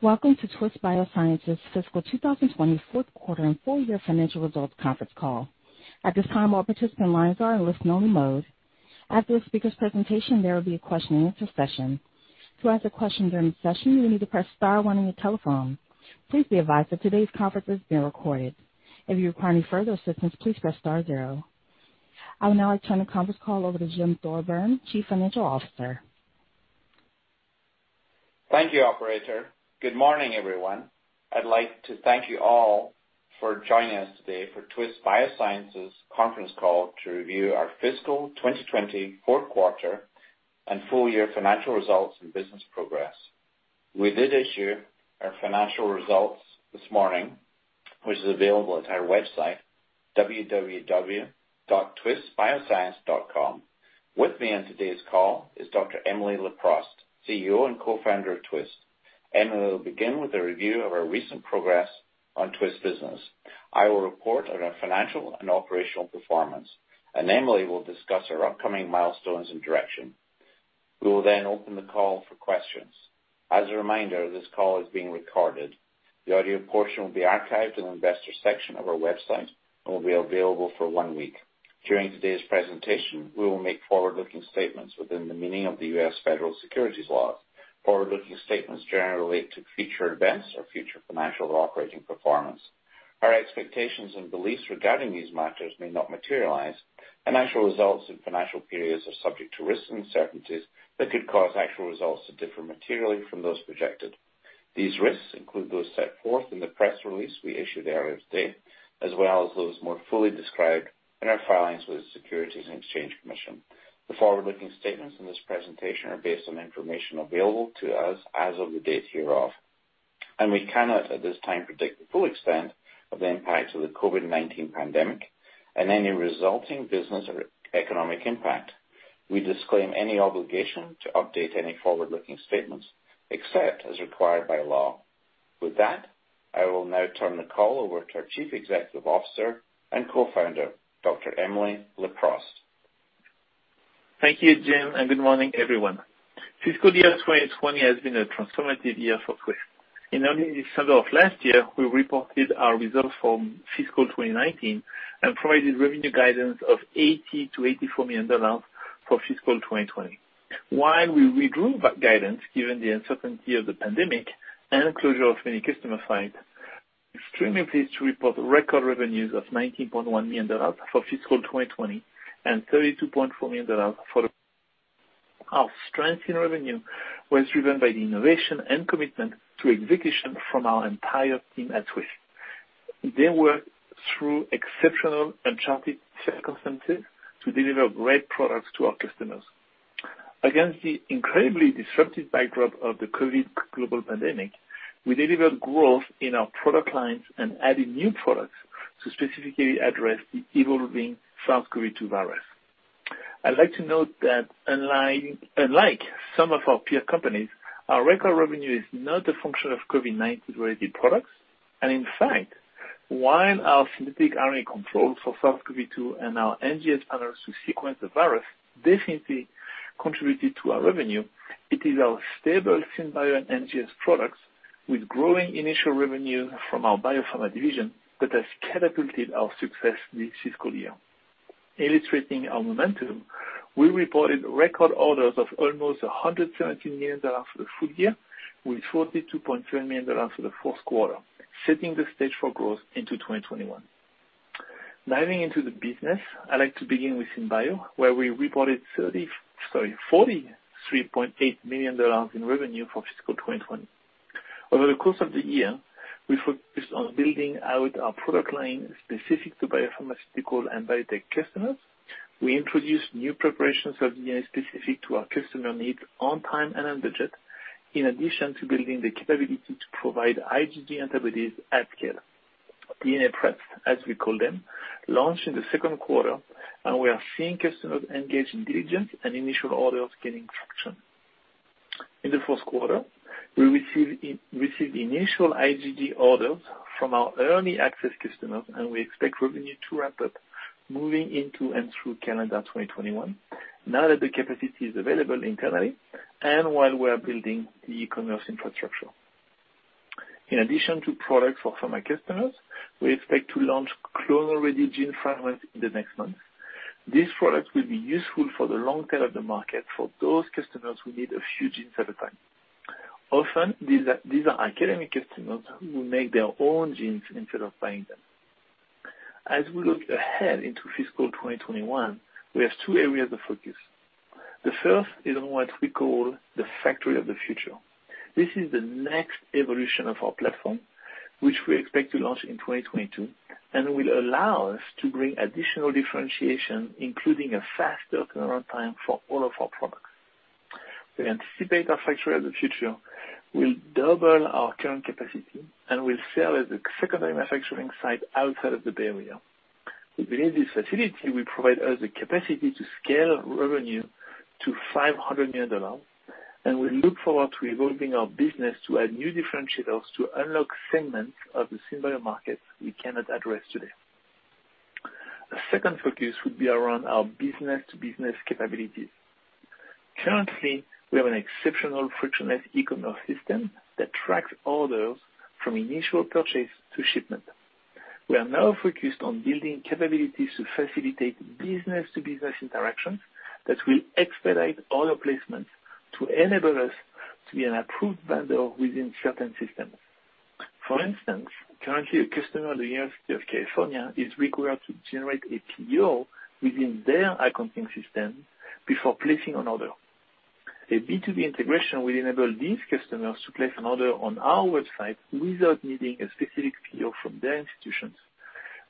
Welcome to Twist Bioscience's fiscal 2020 fourth quarter and full-year financial results conference call. I will now turn the conference call over to Jim Thorburn, Chief Financial Officer. Thank you, operator. Good morning, everyone. I'd like to thank you all for joining us today for Twist Bioscience's conference call to review our fiscal 2020 fourth quarter and full-year financial results and business progress. We did issue our financial results this morning, which is available at our website, www.twistbioscience.com. With me on today's call is Dr. Emily Leproust, CEO and co-founder of Twist. Emily will begin with a review of our recent progress on Twist business. I will report on our financial and operational performance, and Emily will discuss our upcoming milestones and direction. We will then open the call for questions. As a reminder, this call is being recorded. The audio portion will be archived in the investor section of our website and will be available for one week. During today's presentation, we will make forward-looking statements within the meaning of the U.S. Federal Securities laws. Forward-looking statements generally relate to future events or future financial or operating performance. Our expectations and beliefs regarding these matters may not materialize, and actual results and financial periods are subject to risks and uncertainties that could cause actual results to differ materially from those projected. These risks include those set forth in the press release we issued earlier today, as well as those more fully described in our filings with the Securities and Exchange Commission. The forward-looking statements in this presentation are based on information available to us as of the date hereof, and we cannot, at this time, predict the full extent of the impact of the COVID-19 pandemic and any resulting business or economic impact. We disclaim any obligation to update any forward-looking statements except as required by law. With that, I will now turn the call over to our Chief Executive Officer and co-founder, Dr. Emily Leproust. Thank you, Jim. Good morning, everyone. Fiscal year 2020 has been a transformative year for Twist. In early December of last year, we reported our results from fiscal 2019 and provided revenue guidance of $80 million-$84 million for fiscal 2020. While we withdrew that guidance, given the uncertainty of the pandemic and closure of many customer sites, extremely pleased to report record revenues of $90.1 million for fiscal 2020 and $32.4 million for the. Our strength in revenue was driven by the innovation and commitment to execution from our entire team at Twist. They worked through exceptional uncharted circumstances to deliver great products to our customers. Against the incredibly disruptive backdrop of the COVID global pandemic, we delivered growth in our product lines and added new products to specifically address the evolving SARS-CoV-2 virus. I'd like to note that unlike some of our peer companies, our record revenue is not a function of COVID-19 related products. In fact, while our Synthetic RNA Controls for SARS-CoV-2 and our NGS panels to sequence the virus definitely contributed to our revenue, it is our stable SynBio and NGS products with growing initial revenue from our Biopharma division that has catapulted our success this fiscal year. Illustrating our momentum, we reported record orders of almost $117 million for the full-year with $42.7 million for the fourth quarter, setting the stage for growth into 2021. Diving into the business, I'd like to begin with SynBio, where we reported $43.8 million in revenue for fiscal 2020. Over the course of the year, we focused on building out our product line specific to Biopharmaceutical and biotech customers. We introduced new preparations of DNA specific to our customer needs on time and under budget, in addition to building the capability to provide IgG antibodies at scale. DNA preps, as we call them, launched in the second quarter, and we are seeing customers engage in diligence and initial orders gaining traction. In the fourth quarter, we received initial IgG orders from our early access customers, and we expect revenue to ramp up moving into and through calendar 2021, now that the capacity is available internally and while we are building the commerce infrastructure. In addition to products for pharma customers, we expect to launch clonal-ready gene fragments in the next month. These products will be useful for the long tail of the market for those customers who need a few genes at a time. Often, these are academic customers who make their own genes instead of buying them. As we look ahead into fiscal 2021, we have two areas of focus. The first is on what we call the factory of the future. This is the next evolution of our platform, which we expect to launch in 2022 and will allow us to bring additional differentiation, including a faster turnaround time for all of our products. We anticipate our factory of the future will double our current capacity and will serve as a secondary manufacturing site outside of the Bay Area. We believe this facility will provide us the capacity to scale revenue to $500 million, and we look forward to evolving our business to add new differentiators to unlock segments of the SynBio market we cannot address today. A second focus would be around our business-to-business capabilities. Currently, we have an exceptional frictionless e-commerce system that tracks orders from initial purchase to shipment. We are now focused on building capabilities to facilitate business-to-business interactions that will expedite order placements to enable us to be an approved vendor within certain systems. For instance, currently, a customer, the University of California, is required to generate a PO within their accounting system before placing an order. A B2B integration will enable these customers to place an order on our website without needing a specific PO from their institutions,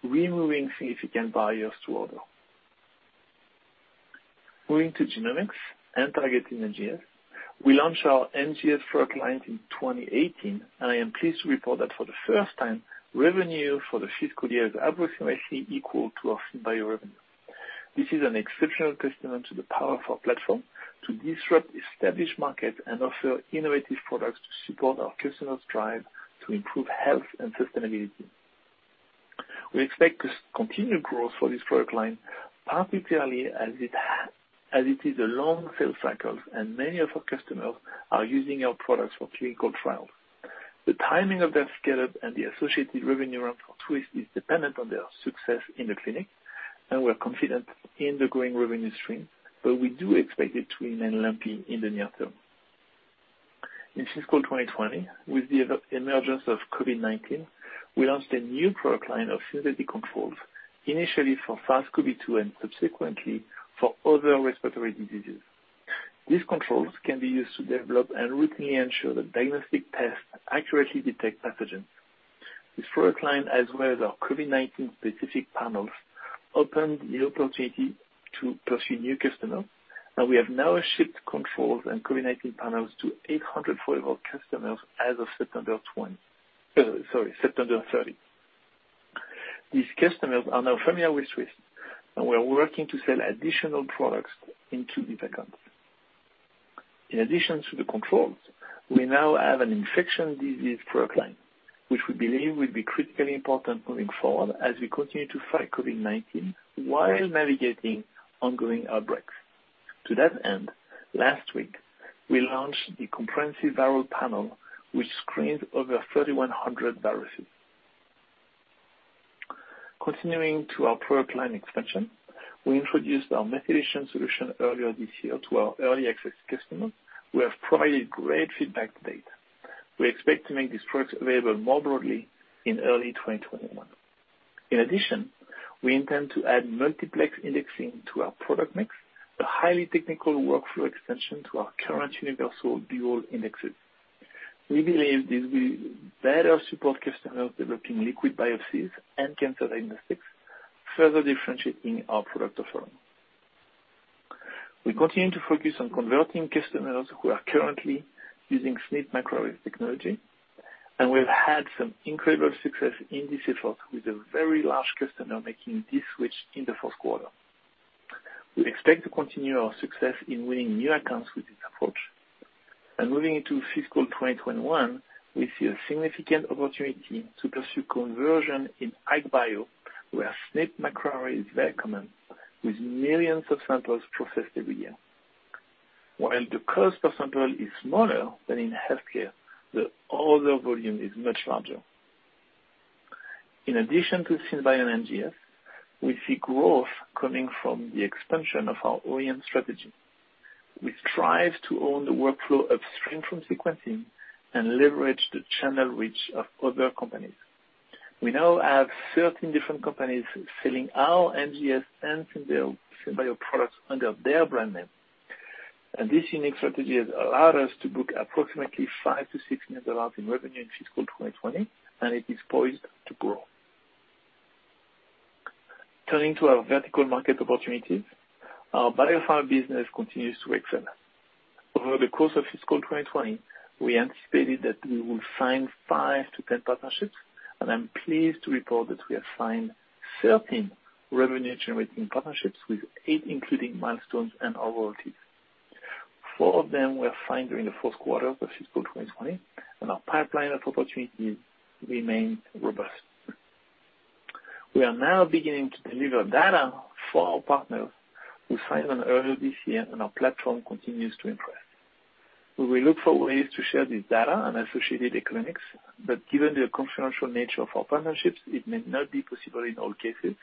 removing significant barriers to order. Moving to genomics and targeting NGS, we launched our NGS product line in 2018, and I am pleased to report that for the first time, revenue for the fiscal year is approximately equal to our SynBio revenue. This is an exceptional testament to the power of our platform to disrupt established markets and offer innovative products to support our customers' drive to improve health and sustainability. We expect to continue growth for this product line, particularly as it is a long sales cycle, and many of our customers are using our products for clinical trials. The timing of that scale-up and the associated revenue ramp for Twist is dependent on their success in the clinic, and we're confident in the growing revenue stream, but we do expect it to remain lumpy in the near term. In fiscal 2020, with the emergence of COVID-19, we launched a new product line of synthetic controls, initially for SARS-CoV-2 and subsequently for other respiratory diseases. These controls can be used to develop and routinely ensure that diagnostic tests accurately detect pathogens. This product line, as well as our COVID-19 specific panels, opened the opportunity to pursue new customers, and we have now shipped controls and COVID-19 panels to 840 customers as of September 20 oh sorry September 30. These customers are now familiar with Twist, and we are working to sell additional products into these accounts. In addition to the controls, we now have an infection disease product line, which we believe will be critically important going forward as we continue to fight COVID-19 while navigating ongoing outbreaks. To that end, last week, we launched the comprehensive viral panel, which screens over 3,100 viruses. Continuing to our product line expansion, we introduced our methylation solution earlier this year to our early access customers, who have provided great feedback to date. We expect to make these products available more broadly in early 2021. In addition, we intend to add multiplex indexing to our product mix, a highly technical workflow extension to our current universal dual indexes. We believe this will better support customers developing liquid biopsies and cancer diagnostics, further differentiating our product offering. We continue to focus on converting customers who are currently using SNP microarray technology. We've had some incredible success in this effort with a very large customer making this switch in the fourth quarter. We expect to continue our success in winning new accounts with this approach. Moving into fiscal 2021, we see a significant opportunity to pursue conversion in ag bio, where SNP microarray is very common, with millions of samples processed every year. While the cost per sample is smaller than in healthcare, the order volume is much larger. In addition to SynBio NGS, we see growth coming from the expansion of our OEM strategy, which strives to own the workflow upstream from sequencing and leverage the channel reach of other companies. We now have 13 different companies selling our NGS and SynBio products under their brand name. This unique strategy has allowed us to book approximately $5 million-$6 million in revenue in fiscal 2020, and it is poised to grow. Turning to our vertical market opportunities, our Biopharma business continues to excel. Over the course of fiscal 2020, we anticipated that we would sign 5-10 partnerships, and I'm pleased to report that we have signed 13 revenue-generating partnerships, with eight including milestones and/or royalties. Four of them were signed during the fourth quarter of fiscal 2020, and our pipeline of opportunities remains robust. We are now beginning to deliver data for our partners we signed on earlier this year, and our platform continues to impress. We will look for ways to share this data and associated clinics, but given the confidential nature of our partnerships, it may not be possible in all cases.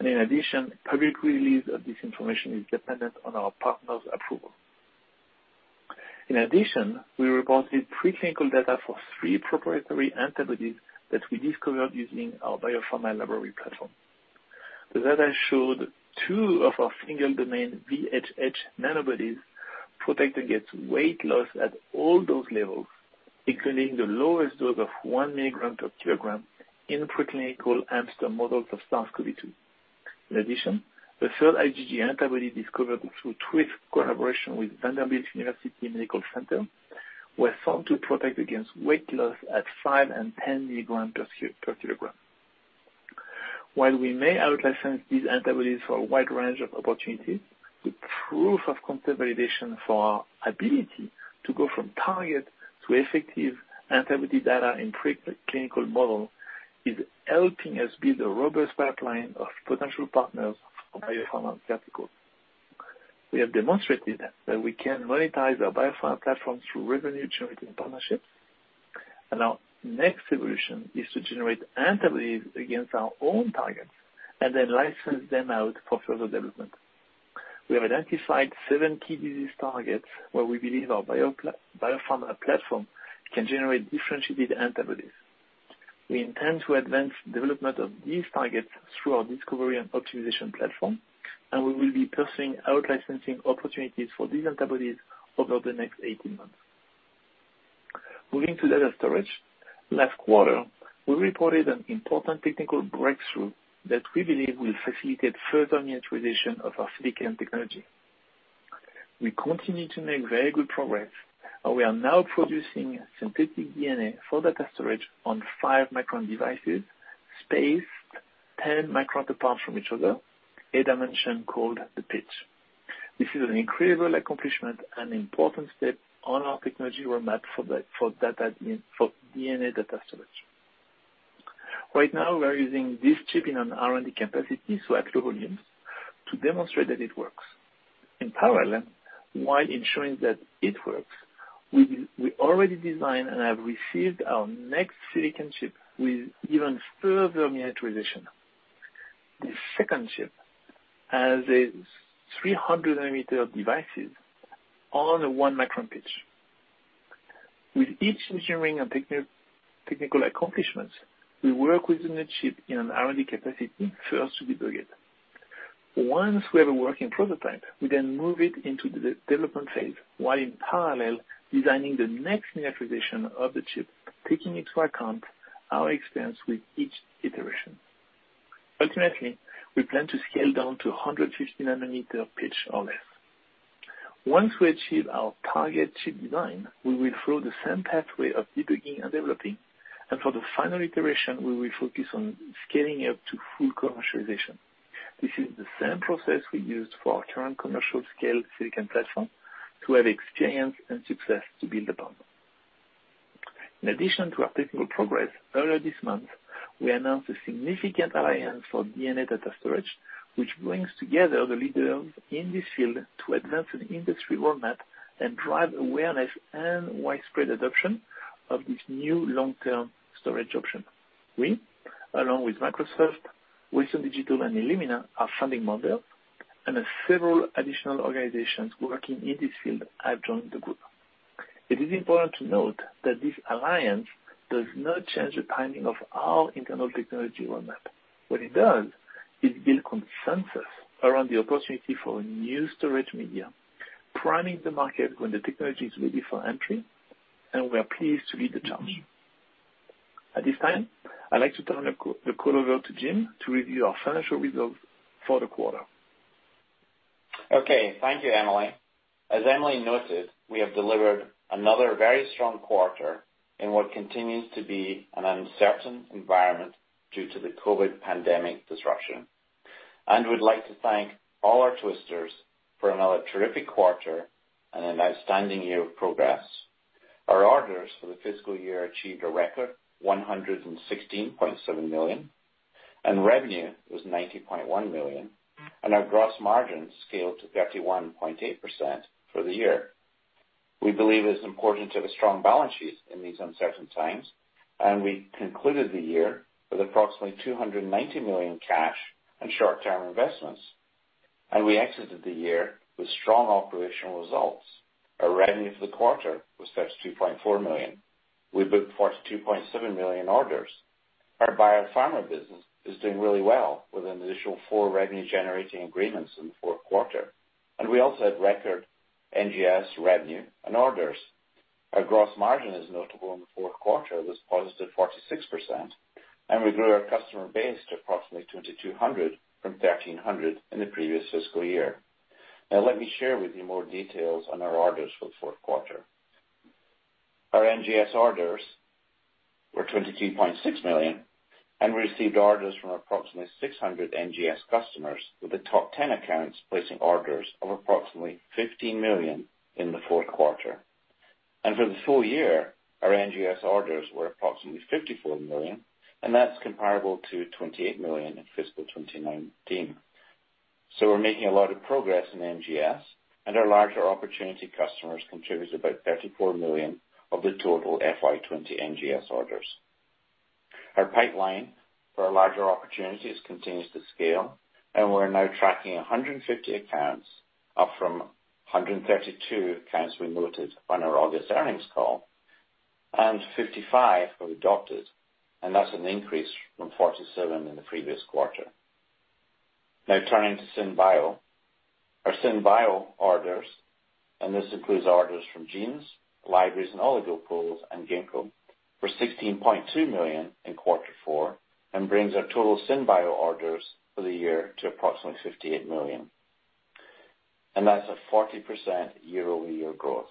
In addition, public release of this information is dependent on our partners' approval. In addition, we reported preclinical data for three proprietary antibodies that we discovered using our Biopharma library platform. The data showed two of our single domain VHH nanobodies protect against weight loss at all dose levels, including the lowest dose of 1 mg per kg in preclinical hamster models of SARS-CoV-2. In addition, the third IgG antibody discovered through Twist collaboration with Vanderbilt University Medical Center, were found to protect against weight loss at five and 10 mg per kg. We may outlicense these antibodies for a wide range of opportunities, the proof of concept validation for our ability to go from target to effective antibody data in preclinical models is helping us build a robust pipeline of potential partners for Biopharma verticals. We have demonstrated that we can monetize our Biopharma platform through revenue-generating partnerships. Our next evolution is to generate antibodies against our own targets and then license them out for further development. We have identified seven key disease targets where we believe our Biopharma platform can generate differentiated antibodies. We intend to advance development of these targets through our discovery and optimization platform, and we will be pursuing out-licensing opportunities for these antibodies over the next 18 months. Moving to data storage. Last quarter, we reported an important technical breakthrough that we believe will facilitate further miniaturization of our silicon technology. We continue to make very good progress, and we are now producing synthetic DNA for data storage on five-micron devices, spaced 10-micron apart from each other, a dimension called the pitch. This is an incredible accomplishment and important step on our technology roadmap for DNA data storage. Right now, we're using this chip in an R&D capacity, so at low volumes, to demonstrate that it works. In parallel, while ensuring that it works, we already designed and have received our next silicon chip with even further miniaturization. The second chip has 300 nm devices on a one-micron pitch. With each engineering and technical accomplishments, we work within the chip in an R&D capacity first to debug it. Once we have a working prototype, we then move it into the development phase, while in parallel, designing the next miniaturization of the chip, taking into account our experience with each iteration. Ultimately, we plan to scale down to 150 nm pitch or less. Once we achieve our target chip design, we will follow the same pathway of debugging and developing, and for the final iteration, we will focus on scaling up to full commercialization. This is the same process we used for our current commercial scale silicon platform to have experience and success to build upon. In addition to our technical progress, earlier this month, we announced a significant alliance for DNA data storage, which brings together the leaders in this field to advance an industry roadmap and drive awareness and widespread adoption of this new long-term storage option. We, along with Microsoft, Western Digital, and Illumina, are founding members, and several additional organizations working in this field have joined the group. It is important to note that this alliance does not change the timing of our internal technology roadmap. What it does is build consensus around the opportunity for new storage media, priming the market when the technology is ready for entry, and we are pleased to lead the journey. At this time, I'd like to turn the call over to Jim to review our financial results for the quarter. Okay. Thank you, Emily. As Emily noted, we have delivered another very strong quarter in what continues to be an uncertain environment due to the COVID-19 pandemic disruption. We'd like to thank all our Twisters for another terrific quarter and an outstanding year of progress. Our orders for the fiscal year achieved a record $116.7 million, and revenue was $90.1 million, and our gross margin scaled to 31.8% for the year. We believe it is important to have a strong balance sheet in these uncertain times, and we concluded the year with approximately $290 million cash and short-term investments. We exited the year with strong operational results. Our revenue for the quarter was $32.4 million. We booked $42.7 million orders. Our Biopharma business is doing really well, with an additional four revenue-generating agreements in the fourth quarter. We also had record NGS revenue and orders. Our gross margin is notable in the fourth quarter, was positive 46%, and we grew our customer base to approximately 2,200 from 1,300 in the previous fiscal year. Let me share with you more details on our orders for the fourth quarter. Our NGS orders were $22.6 million, and we received orders from approximately 600 NGS customers, with the top 10 accounts placing orders of approximately $15 million in the fourth quarter. For the full-year, our NGS orders were approximately $54 million, and that's comparable to $28 million in fiscal 2019. We're making a lot of progress in NGS, and our larger opportunity customers contributed about $34 million of the total FY 2020 NGS orders. Our pipeline for our larger opportunities continues to scale. We're now tracking 150 accounts, up from 132 accounts we noted on our August earnings call. 55 were adopted, and that's an increase from 47 in the previous quarter. Now turning to SynBio. Our SynBio orders, and this includes our orders from genes, libraries, and oligonucleotide pools and Ginkgo, were $16.2 million in quarter four and brings our total SynBio orders for the year to approximately $58 million. That's a 40% year-over-year growth.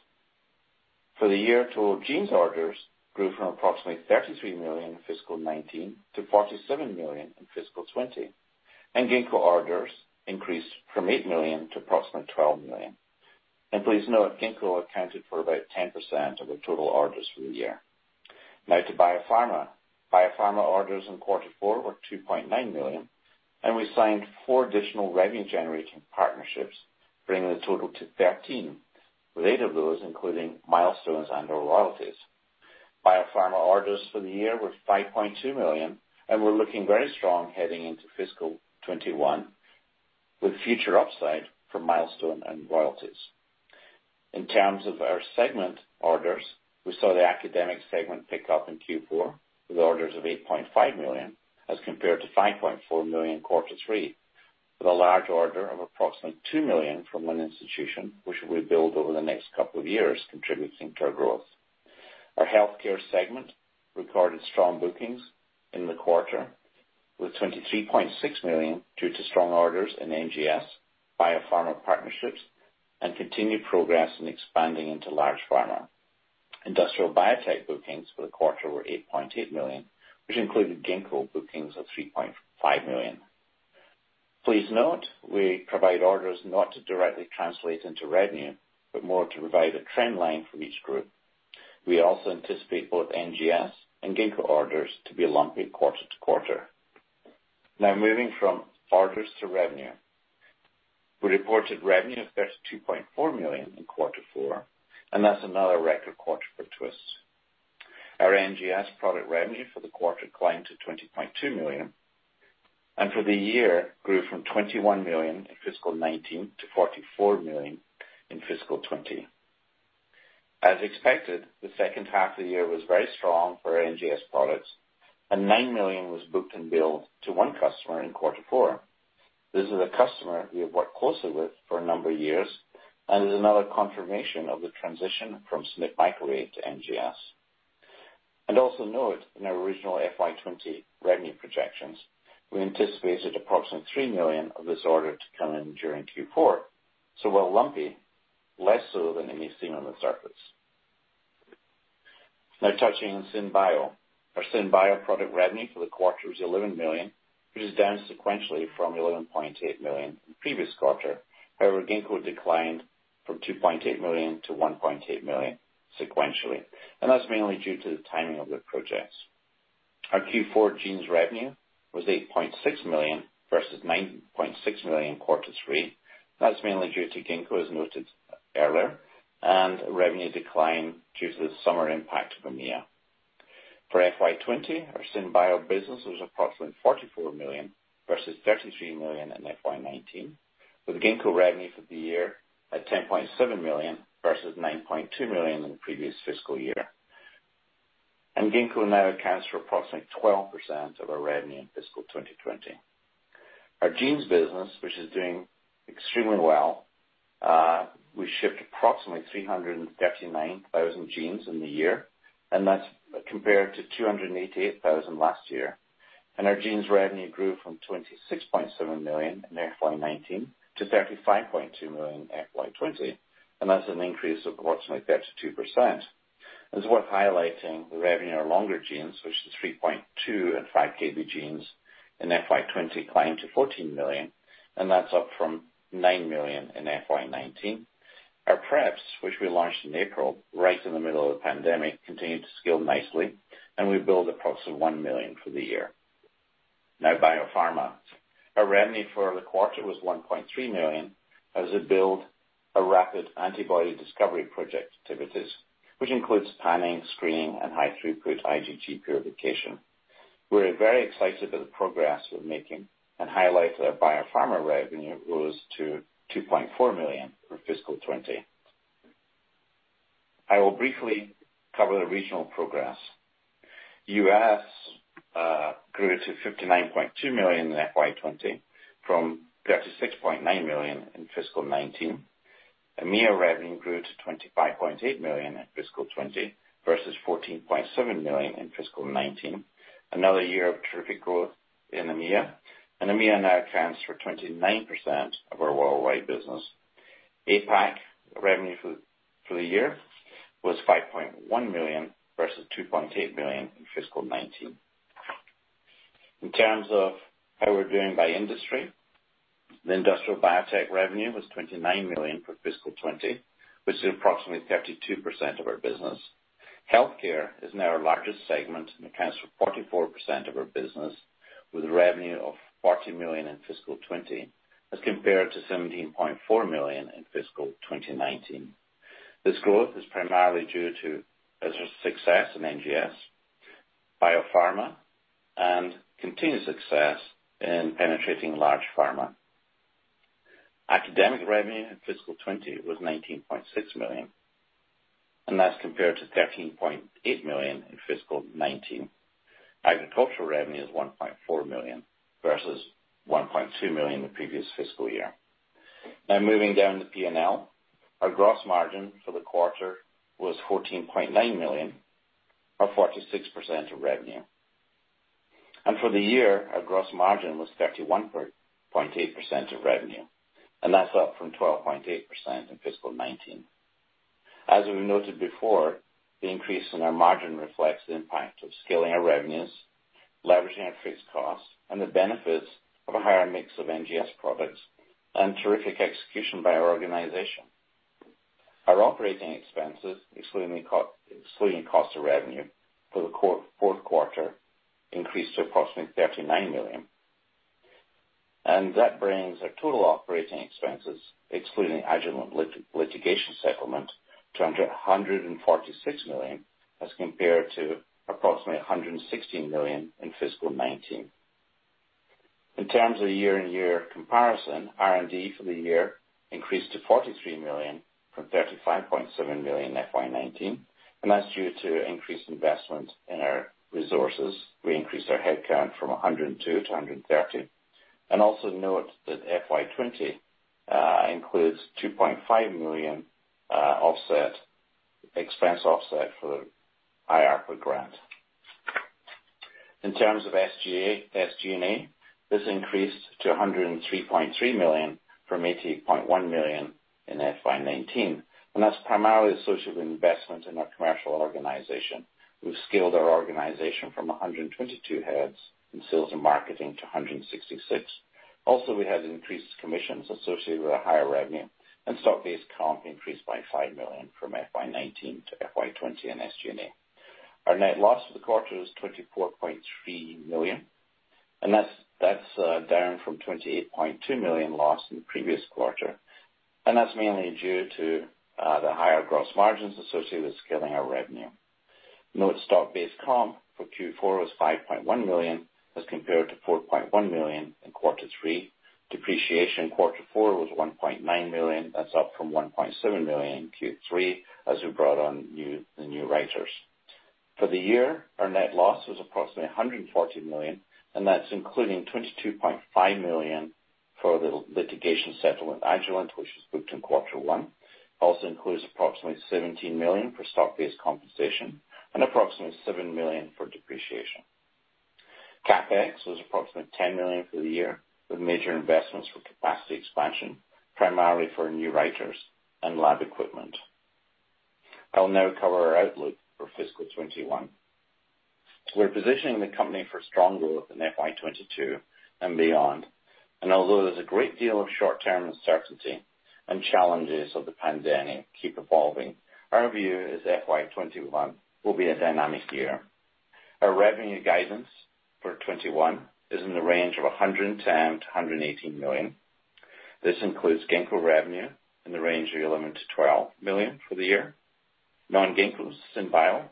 For the year total, genes orders grew from approximately $33 million in FY 2019 to $47 million in FY 2020. Ginkgo orders increased from $8 million to approximately $12 million. Please note, Ginkgo accounted for about 10% of our total orders for the year. Now to Biopharma. Biopharma orders in quarter four were $2.9 million. We signed four additional revenue-generating partnerships, bringing the total to 13 with eight of those including milestones and/ or royalties. Biopharma orders for the year were $5.2 million. We're looking very strong heading into fiscal 2021, with future upside for milestone and royalties. In terms of our segment orders, we saw the academic segment pick up in Q4 with orders of $8.5 million as compared to $5.4 million in quarter three, with a large order of approximately $2 million from one institution which we build over the next couple of years contributing to our growth. Our healthcare segment recorded strong bookings in the quarter with $23.6 million due to strong orders in NGS, Biopharma partnerships, and continued progress in expanding into large pharma. Industrial biotech bookings for the quarter were $8.8 million, which included Ginkgo bookings of $3.5 million. Please note, we provide orders not to directly translate into revenue, but more to provide a trend line for each group. We also anticipate both NGS and Ginkgo orders to be lumpy quarter to quarter. Now, moving from orders to revenue. We reported revenue of $32.4 million in quarter four, and that's another record quarter for Twist. Our NGS product revenue for the quarter climbed to $20.2 million, and for the year grew from $21 million in fiscal 2019-$44 million in fiscal 2020. As expected, the second half of the year was very strong for our NGS products, and $9 million was booked and billed to one customer in quarter four. This is a customer we have worked closely with for a number of years and is another confirmation of the transition from SynBio to NGS. Also note, in our original FY 2020 revenue projections, we anticipated approximately $3 million of this order to come in during Q4, so while lumpy, less so than it may seem on the surface. Now touching on SynBio. Our SynBio product revenue for the quarter was $11 million. It is down sequentially from $11.8 million in the previous quarter. However, Ginkgo declined from $2.8 million-$1.8 million sequentially, and that's mainly due to the timing of the projects. Our Q4 genes revenue was $8.6 million versus $9.6 million in quarter three. That's mainly due to Ginkgo, as noted earlier, and revenue decline due to the summer impact of EMEA. For FY 2020, our SynBio business was approximately $44 million versus $33 million in FY 2019, with Ginkgo revenue for the year at $10.7 million versus $9.2 million in the previous fiscal year. Ginkgo now accounts for approximately 12% of our revenue in fiscal 2020. Our genes business, which is doing extremely well, we shipped approximately 339,000 genes in the year, and that's compared to 288,000 last year. Our genes revenue grew from $26.7 million in FY 2019-$35.2 million in FY 2020, and that's an increase of approximately 32%. It's worth highlighting the revenue of longer genes, which is 3.2 and 5 KB genes in FY 2020 climbed to $14 million, and that's up from $9 million in FY 2019. Our preps, which we launched in April, right in the middle of the pandemic, continued to scale nicely, and we billed approximately $1 million for the year. Now, Biopharma. Our revenue for the quarter was $1.3 million as we billed a rapid antibody discovery project activities, which includes panning, screening, and high throughput IgG purification. We're very excited by the progress we're making and highlight that our Biopharma revenue rose to $2.4 million for fiscal 2020. I will briefly cover the regional progress. U.S. grew to $59.2 million in FY 2020 from $36.9 million in fiscal 2019. EMEA revenue grew to $25.8 million in fiscal 2020 versus $14.7 million in fiscal 2019. Another year of terrific growth in EMEA, and EMEA now accounts for 29% of our worldwide business. APAC revenue for the year was $5.1 million versus $2.8 million in fiscal 2019. In terms of how we're doing by industry, the industrial biotech revenue was $29 million for fiscal 2020, which is approximately 32% of our business. Healthcare is now our largest segment and accounts for 44% of our business, with revenue of $40 million in fiscal 2020 as compared to $17.4 million in fiscal 2019. This growth is primarily due to success in NGS, Biopharma, and continued success in penetrating large pharma. Academic revenue in fiscal 2020 was $19.6 million, and that's compared to $13.8 million in fiscal 2019. Agricultural revenue is $1.4 million versus $1.2 million the previous fiscal year. Now, moving down the P&L. Our gross margin for the quarter was $14.9 million or 46% of revenue. For the year, our gross margin was 31.8% of revenue, and that's up from 12.8% in fiscal 2019. As we've noted before, the increase in our margin reflects the impact of scaling our revenues, leveraging our fixed costs, and the benefits of a higher mix of NGS products, and terrific execution by our organization. Our operating expenses, excluding cost of revenue for the fourth quarter, increased to approximately $39 million. That brings our total operating expenses, excluding Agilent litigation settlement, to $146 million as compared to approximately $116 million in fiscal 2019. In terms of the year-on-year comparison, R&D for the year increased to $43 million from $35.7 million in FY 2019, and that's due to increased investment in our resources. We increased our headcount from 102-130. Also note that FY 2020 includes $2.5 million expense offset for the IARPA grant. In terms of SG&A, this increased to $103.3 million from $80.1 million in FY 2019, and that's primarily associated with investment in our commercial organization. We've scaled our organization from 122 heads in sales and marketing to 166. Also, we had increased commissions associated with a higher revenue and stock-based comp increased by $5 million from FY 2019 to FY 2020 in SG&A. Our net loss for the quarter was $24.3 million, that's down from $28.2 million loss in the previous quarter, that's mainly due to the higher gross margins associated with scaling our revenue. Note stock-based comp for Q4 was $5.1 million as compared to $4.1 million in quarter three. Depreciation in quarter four was $1.9 million, that's up from $1.7 million in Q3 as we brought on the new writers. For the year, our net loss was approximately $140 million, that's including $22.5 million for the litigation settlement, Agilent, which was booked in quarter one. Also includes approximately $17 million for stock-based compensation and approximately $7 million for depreciation. CapEx was approximately $10 million for the year, with major investments for capacity expansion, primarily for new writers and lab equipment. I'll now cover our outlook for fiscal 2021. We're positioning the company for strong growth in FY 2022 and beyond, and although there's a great deal of short-term uncertainty and challenges of the pandemic keep evolving, our view is FY 2021 will be a dynamic year. Our revenue guidance for 2021 is in the range of $110 million-$118 million. This includes Ginkgo revenue in the range of $11 million-$12 million for the year. Non-Ginkgo SynBio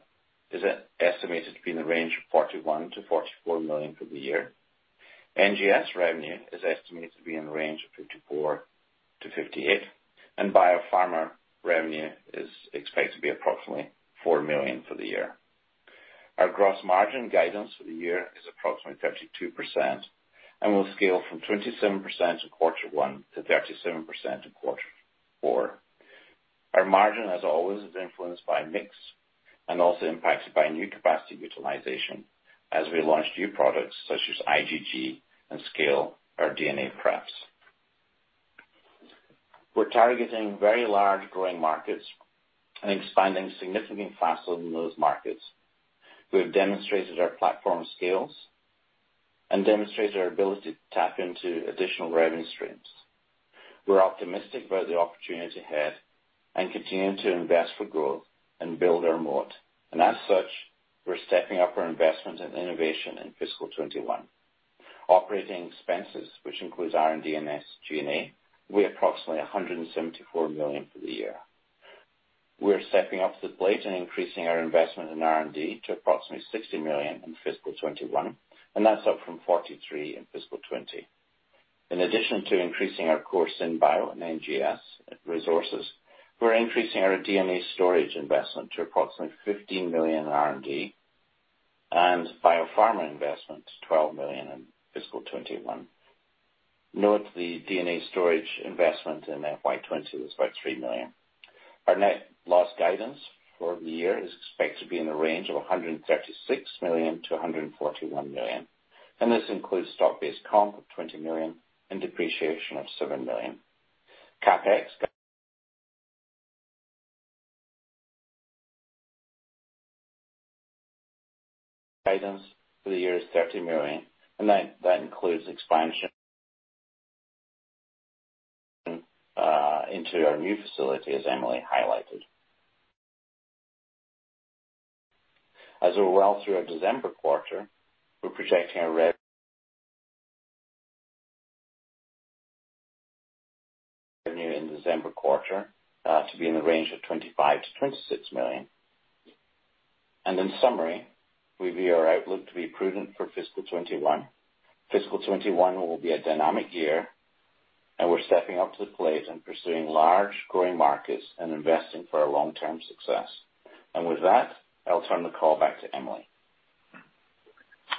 is estimated to be in the range of $41 million-$44 million for the year. NGS revenue is estimated to be in the range of $54 million-$58 million, and Biopharma revenue is expected to be approximately $4 million for the year. Our gross margin guidance for the year is approximately 32% and will scale from 27% in quarter one-37% in quarter four. Our margin, as always, is influenced by mix and also impacted by new capacity utilization as we launch new products such as IgG and scale our DNA preps. We're targeting very large growing markets and expanding significantly faster than those markets. We have demonstrated our platform scales and demonstrated our ability to tap into additional revenue streams. We're optimistic about the opportunity ahead and continue to invest for growth and build our moat. As such, we're stepping up our investment in innovation in fiscal 2021. Operating expenses, which includes R&D and SG&A, will be approximately $174 million for the year. We're stepping up to the plate and increasing our investment in R&D to approximately $60 million in fiscal 2021, and that's up from $43 in fiscal 2020. In addition to increasing our core SynBio and NGS resources, we're increasing our DNA storage investment to approximately $15 million in R&D and Biopharma investment to $12 million in fiscal 2021. Note the DNA storage investment in FY 2020 was about $3 million. Our net loss guidance for the year is expected to be in the range of $136 million-$141 million. This includes stock-based comp of $20 million and depreciation of $7 million. CapEx guidance for the year is $30 million. That includes expansion into our new facility, as Emily highlighted. As we're well through our December quarter, we're projecting our revenue in the December quarter to be in the range of $25 million-$26 million. In summary, we view our outlook to be prudent for fiscal 2021. FY 2021 will be a dynamic year, and we're stepping up to the plate and pursuing large growing markets and investing for our long-term success. With that, I'll turn the call back to Emily.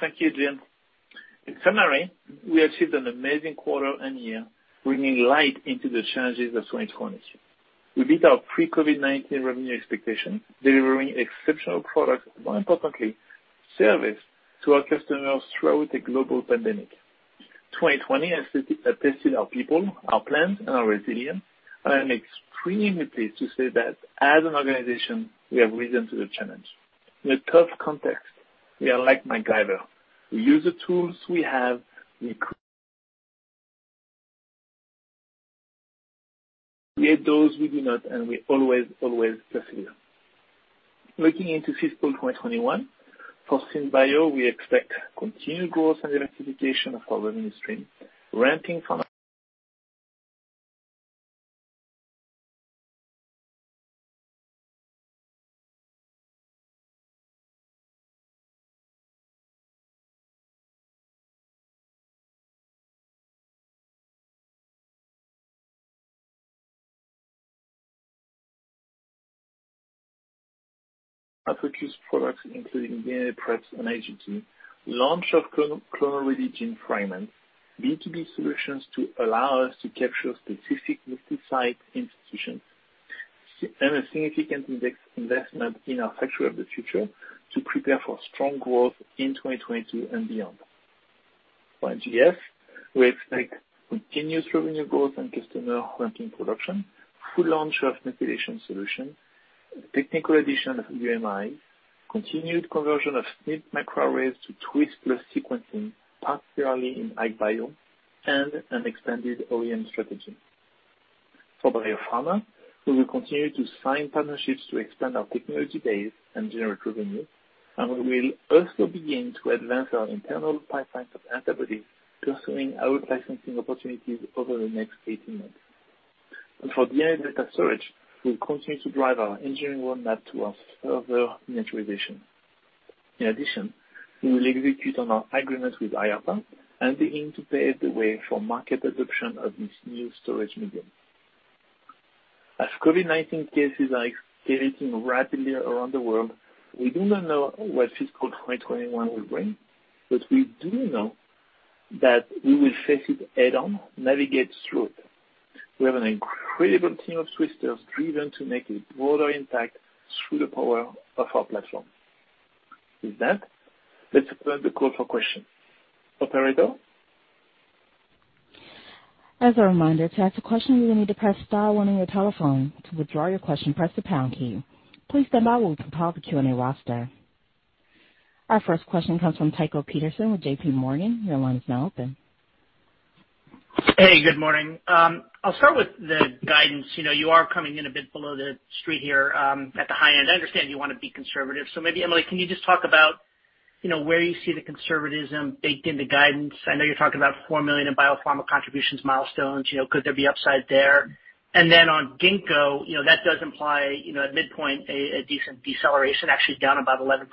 Thank you, Jim. In summary, we achieved an amazing quarter and year, bringing light into the challenges of 2020. We beat our pre-COVID-19 revenue expectation, delivering exceptional product, but more importantly, service to our customers throughout the global pandemic. 2020 has tested our people, our plans, and our resilience. I am extremely pleased to say that as an organization, we have risen to the challenge. In a tough context, we are like MacGyver. We use the tools we have. We aid those we do not, and we always persevere. Looking into fiscal 2021, for SynBio, we expect continued growth and diversification of our revenue stream. Our focused products including DNA preps and IgG, launch of Chimeric gene fragments, B2B solutions to allow us to capture specific multi-site institutions, and a significant investment in our factory of the future to prepare for strong growth in 2022 and beyond. For NGS, we expect continued revenue growth and customer ramping production, full launch of methylation solution, technical addition of UMI, continued conversion of SNP microarrays to Twist plus sequencing, particularly in ag bio, and an expanded OEM strategy. For Biopharma, we will continue to sign partnerships to expand our technology base and generate revenue, and we will also begin to advance our internal pipeline of antibodies, pursuing out-licensing opportunities over the next 18 months. For DNA data storage, we'll continue to drive our engineering roadmap towards further miniaturization. In addition, we will execute on our agreement with uncertain and begin to pave the way for market adoption of this new storage medium. As COVID-19 cases are escalating rapidly around the world, we do not know what fiscal 2021 will bring, but we do know that we will face it head-on, navigate through it. We have an incredible team of Twisters driven to make a broader impact through the power of our platform. With that, let's open the call for questions. Operator? As a reminder, to ask a question, you will need to press star one on your telephone. To withdraw your question, press the pound key. Please stand by while we compile the Q&A roster. Our first question comes from Tycho Peterson with JPMorgan. Your line is now open. Hey, good morning. I'll start with the guidance. You are coming in a bit below the street here, at the high end. I understand you want to be conservative. Maybe, Emily, can you just talk about where you see the conservatism baked in the guidance? I know you're talking about $4 million in Biopharma contributions milestones. Could there be upside there? Then on Ginkgo, that does imply, at midpoint, a decent deceleration, actually down about 11%.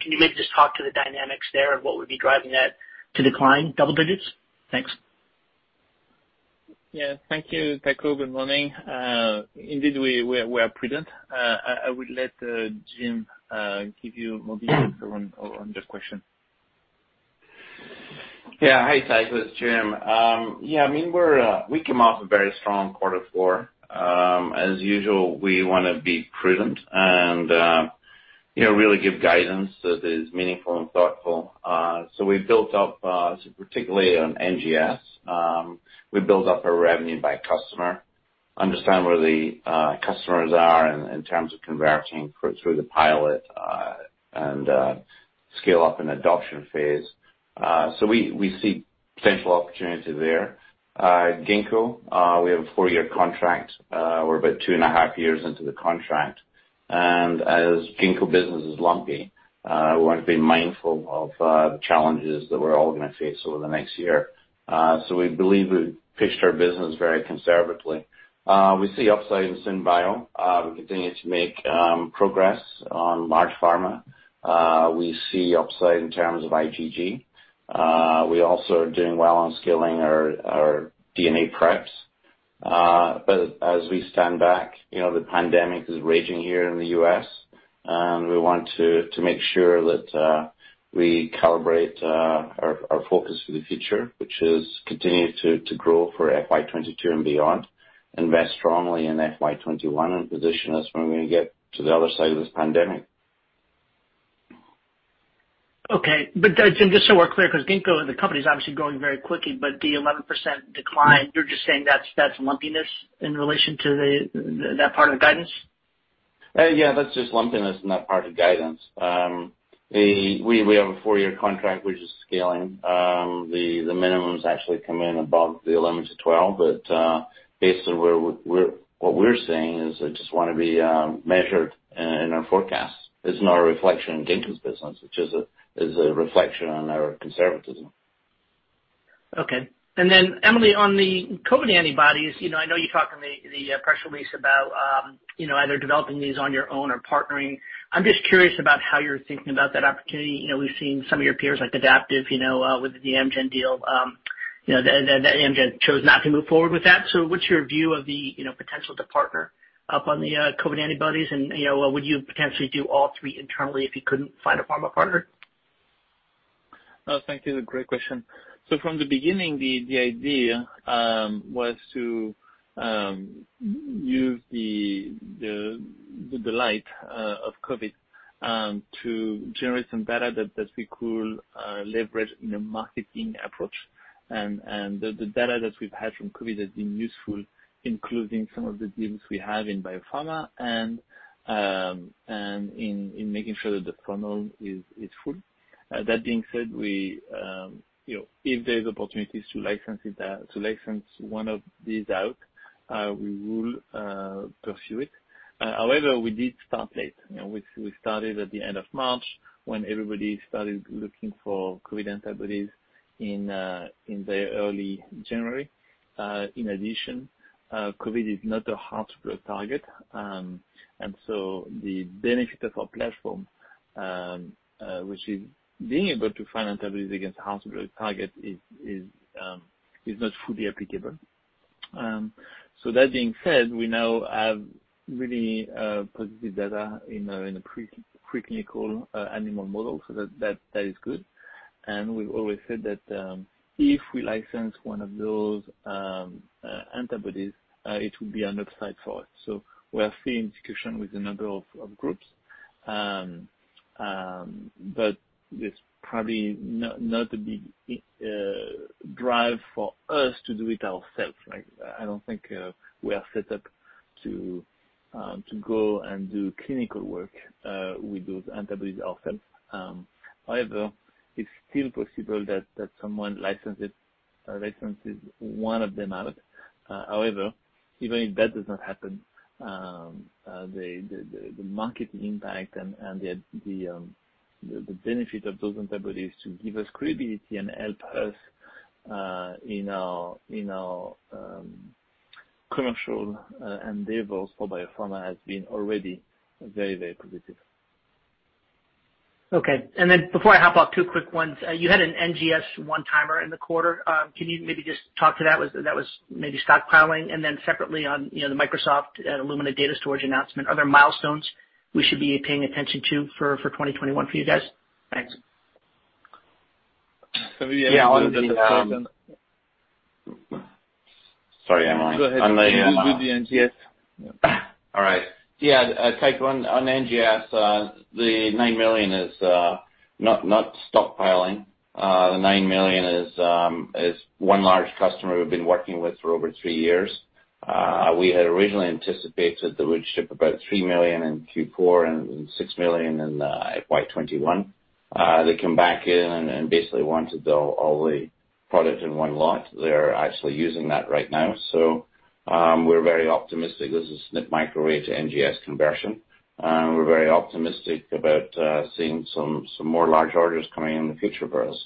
Can you maybe just talk to the dynamics there of what would be driving that to decline double digits? Thanks. Yeah, thank you, Tycho. Good morning. Indeed, we are prudent. I will let Jim give you more details on this question. Yeah. Hey, Tycho, it's Jim. We came off a very strong quarter four. As usual, we want to be prudent and really give guidance that is meaningful and thoughtful. We've built up, particularly on NGS, we've built up our revenue by customer, understand where the customers are in terms of converting through the pilot, and scale-up and adoption phase. We see potential opportunity there. At Ginkgo, we have a four-year contract. We're about two and a half years into the contract. As Ginkgo business is lumpy, we want to be mindful of the challenges that we're all going to face over the next year. We believe we've pitched our business very conservatively. We see upside in SynBio. We're continuing to make progress on large pharma. We see upside in terms of IgG. We also are doing well on scaling our DNA Preps. As we stand back, the pandemic is raging here in the U.S., and we want to make sure that we calibrate our focus for the future, which is continue to grow for FY 2022 and beyond, invest strongly in FY 2021, and position us when we get to the other side of this pandemic. Jim, just so we're clear, because Ginkgo, the company's obviously growing very quickly, but the 11% decline, you're just saying that's lumpiness in relation to that part of the guidance? Yeah, that's just lumpiness in that part of the guidance. We have a four-year contract. We're just scaling. The minimums actually come in above the 11-12, but basically, what we're saying is I just want to be measured in our forecast. It's not a reflection on Ginkgo's business. It's a reflection on our conservatism. Okay. Then Emily, on the COVID-19 antibodies, I know you talk in the press release about either developing these on your own or partnering. I'm just curious about how you're thinking about that opportunity. We've seen some of your peers like Adaptive, with the Amgen deal. Amgen chose not to move forward with that. What's your view of the potential to partner up on the COVID-19 antibodies, and would you potentially do all three internally if you couldn't find a pharma partner? No, thank you. Great question. From the beginning, the idea was to use the fight of COVID. To generate some data that we could leverage in a marketing approach. The data that we've had from COVID has been useful, including some of the deals we have in Biopharma and in making sure that the funnel is full. That being said, if there's opportunities to license one of these out, we will pursue it. However, we did start late. We started at the end of March when everybody started looking for COVID antibodies in very early January. In addition, COVID is not a hard-to-drug target. The benefit of our platform, which is being able to find antibodies against a hard-to-drug target, is not fully applicable. That being said, we now have really positive data in a pre-clinical animal model. That is good. We've always said that if we license one of those antibodies, it will be an upside for us. We are still in discussion with a number of groups. But there's probably not a big drive for us to do it ourselves. I don't think we are set up to go and do clinical work with those antibodies ourselves. It's still possible that someone licenses one of them out. Even if that does not happen, the market impact and the benefit of those antibodies to give us credibility and help us in our commercial endeavors for Biopharma has been already very positive. Okay. Before I hop off, two quick ones. You had an NGS one-timer in the quarter. Can you maybe just talk to that? That was maybe stockpiling. Separately on the Microsoft and Illumina DNA data storage announcement, are there milestones we should be paying attention to for 2021 for you guys? Thanks. Sorry, Emily. Go ahead. With the NGS. All right. Yeah. Tycho, on NGS, the $9 million is not stockpiling. The $9 million is one large customer we've been working with for over three years. We had originally anticipated that we'd ship about $3 million in Q4 and $6 million in FY 2021. They came back in and basically wanted all the product in one lot. They're actually using that right now. We're very optimistic. This is SNP microarray to NGS conversion. We're very optimistic about seeing some more large orders coming in the future for us.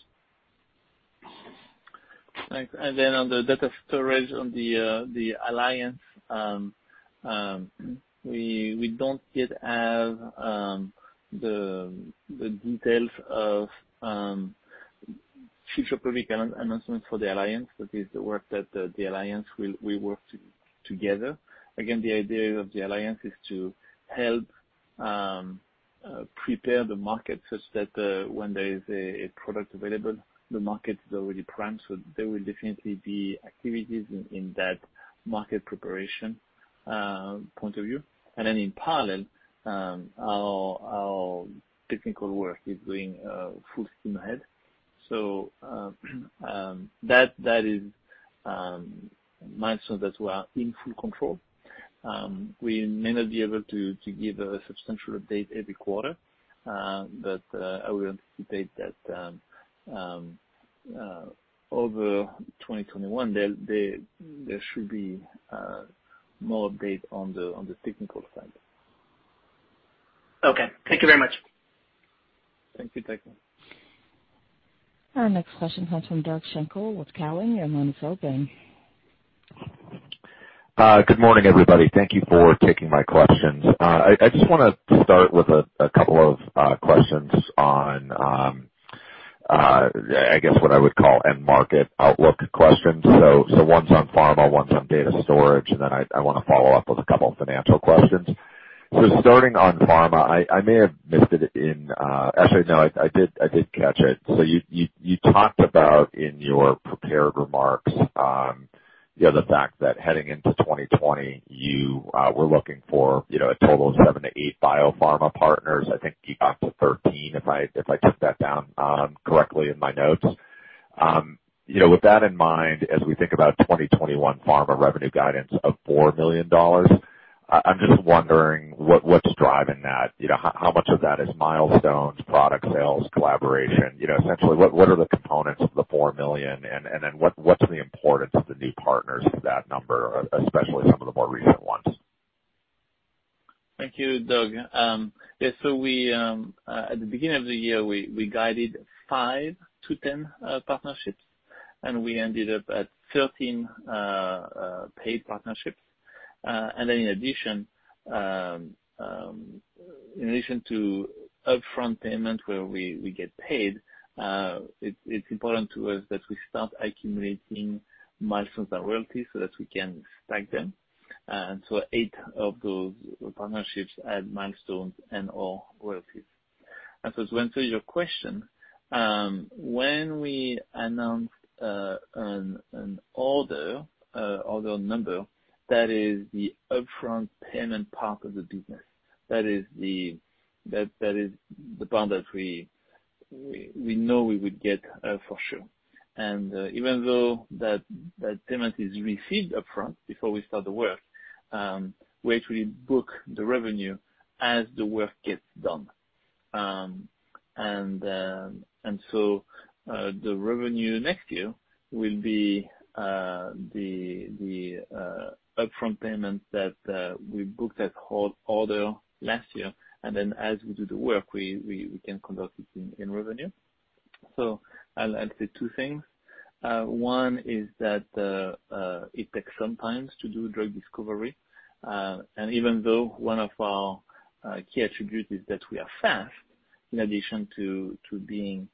Thanks. Then on the data storage, on the alliance, we don't yet have the details of future public announcements for the alliance. That is the work that the alliance will work together. Again, the idea of the alliance is to help prepare the market such that when there is a product available, the market is already primed. There will definitely be activities in that market preparation point of view. Then in parallel, our technical work is going full steam ahead. That is milestones that we are in full control. We may not be able to give a substantial update every quarter, but I will anticipate that over 2021, there should be more update on the technical side. Okay. Thank you very much. Thank you, Tycho. Our next question comes from Doug Schenkel with Cowen. Your line is open. Good morning, everybody. Thank you for taking my questions. I just want to start with a couple of questions on, I guess, what I would call end market outlook questions. One's on pharma, one's on DNA data storage, and then I want to follow up with a couple of financial questions. Starting on pharma, I may have missed it. Actually, no, I did catch it. You talked about in your prepared remarks, the fact that heading into 2020, you were looking for a total of seven to eight Biopharma partners, I think you got to 13, if I took that down correctly in my notes. With that in mind, as we think about 2021 pharma revenue guidance of $4 million, I'm just wondering what's driving that? How much of that is milestones, product sales, collaboration? What are the components of the $4 million, and then what's the importance of the new partners to that number, especially some of the more recent ones? Thank you, Doug. At the beginning of the year, we guided 5-10 partnerships, and we ended up at 13 paid partnerships. In addition to upfront payment where we get paid, it's important to us that we start accumulating milestones and royalties so that we can stack them. Eight of those partnerships had milestones and/or royalties. To answer your question, when we announced an order number, that is the upfront payment part of the business. That is the part that we know we would get for sure. Even though that payment is received upfront before we start the work, we actually book the revenue as the work gets done. The revenue next year will be the upfront payment that we booked at order last year, and then as we do the work, we can convert it in revenue. I'll say two things. One is that it takes some time to do drug discovery. Even though one of our key attributes is that we are fast, in addition to being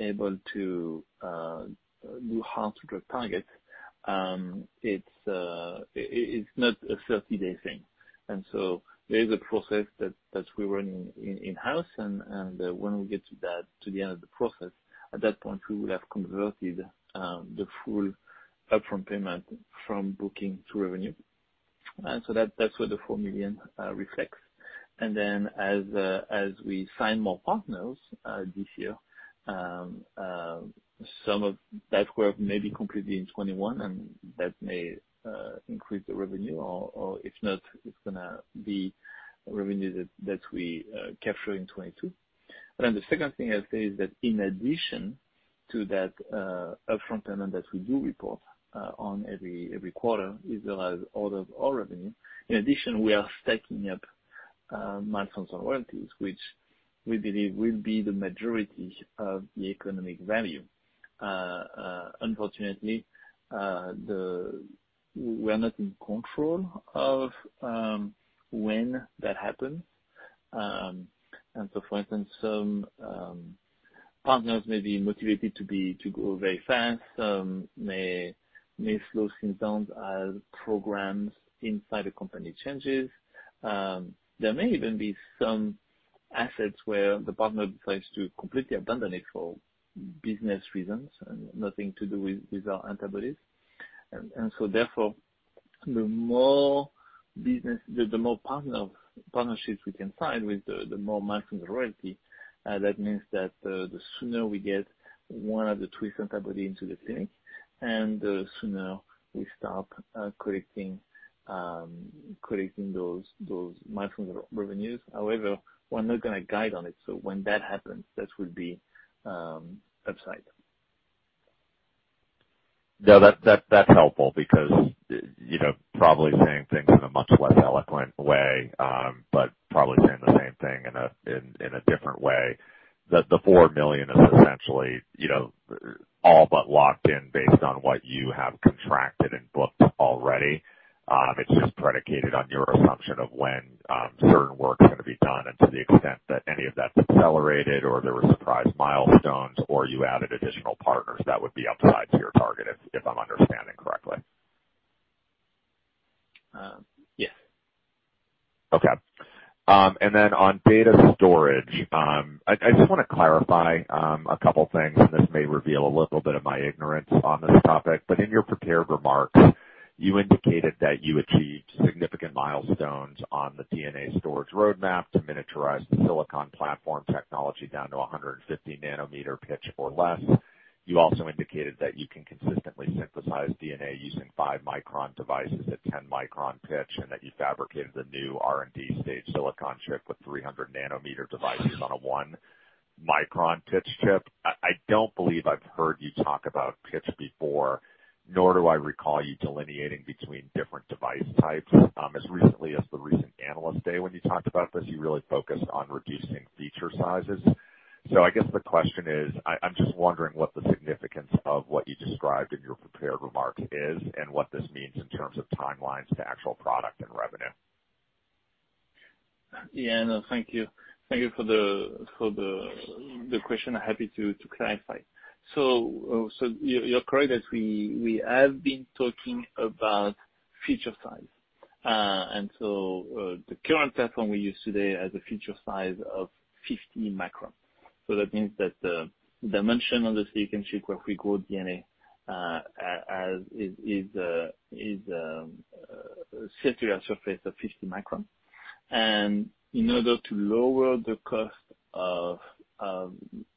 able to do hard drug targets, it's not a 30-day thing. There is a process that we run in-house, and when we get to the end of the process, at that point, we will have converted the full upfront payment from booking to revenue. That's what the $4 million reflects. As we sign more partners this year, some of that work may be completed in 2021, and that may increase the revenue, or if not, it's going to be revenue that we capture in 2022. The second thing I'd say is that in addition to that upfront payment that we do report on every quarter as our revenue, in addition, we are stacking up milestones and royalties, which we believe will be the majority of the economic value. Unfortunately, we are not in control of when that happens. For instance, some partners may be motivated to go very fast. Some may slow things down as programs inside the company changes. There may even be some assets where the partner decides to completely abandon it for business reasons and nothing to do with our antibodies. Therefore, the more partnerships we can sign with, the more milestones and royalty. That means that the sooner we get one of the Twist antibody into the clinic, and the sooner we start collecting those milestones and revenues. We're not going to guide on it, so when that happens, that would be upside. No, that's helpful because probably saying things in a much less eloquent way, but probably saying the same thing in a different way. The $4 million is essentially all but locked in based on what you have contracted and booked already. It's just predicated on your assumption of when certain work's going to be done and to the extent that any of that's accelerated or there were surprise milestones, or you added additional partners, that would be upside to your target, if I'm understanding correctly. Yes. Okay. On data storage, I just want to clarify a couple things, and this may reveal a little bit of my ignorance on this topic. In your prepared remarks, you indicated that you achieved significant milestones on the DNA storage roadmap to miniaturize the silicon platform technology down to 150 nm pitch or less. You also indicated that you can consistently synthesize DNA using five-micron devices at 10-micron pitch, and that you fabricated a new R&D stage silicon chip with 300 nm devices on a one-micron pitch chip. I don't believe I've heard you talk about pitch before, nor do I recall you delineating between different device types. As recently as the recent Analyst Day when you talked about this, you really focused on reducing feature sizes. I guess the question is, I'm just wondering what the significance of what you described in your prepared remarks is and what this means in terms of timelines to actual product and revenue? Yeah. No, thank you. Thank you for the question. Happy to clarify. You're correct that we have been talking about feature size. The current platform we use today has a feature size of 50- micron. In order to lower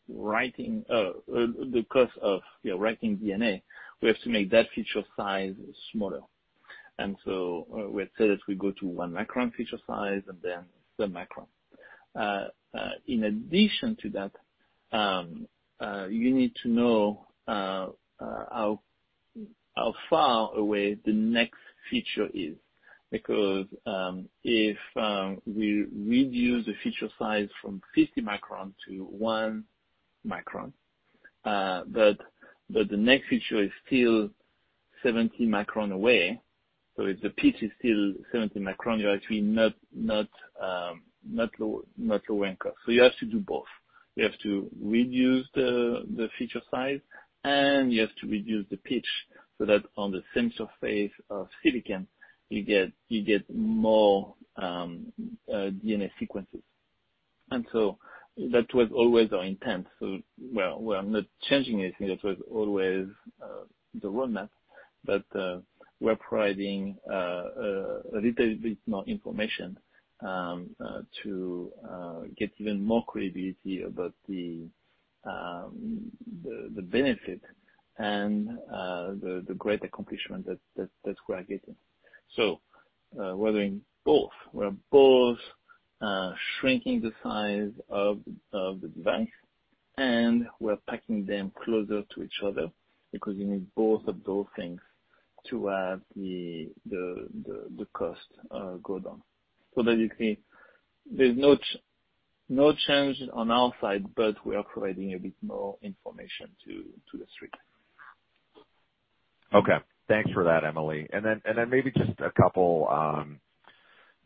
the cost of writing DNA, we have to make that feature size smaller. We have said as we go to one-micron feature size and then submicron. In addition to that, you need to know how far away the next feature is. Because if we reduce the feature size from 50-micron-one micron, but the next feature is still 70-micron away. If the pitch is still 70-micron, you're actually not lowering cost, so you have to do both. We have to reduce the feature size, and we have to reduce the pitch so that on the sensor face of silicon, you get more DNA sequences. That was always our intent. I'm not changing anything. That was always the roadmap. We're providing a little bit more information to get even more credibility about the benefit and the great accomplishment that we're getting. We're doing both. We're both shrinking the size of the device, and we're packing them closer to each other because you need both of those things to have the cost go down. There you see, there's no change on our side, but we are providing a bit more information to the street. Okay. Thanks for that, Emily. Then maybe just a couple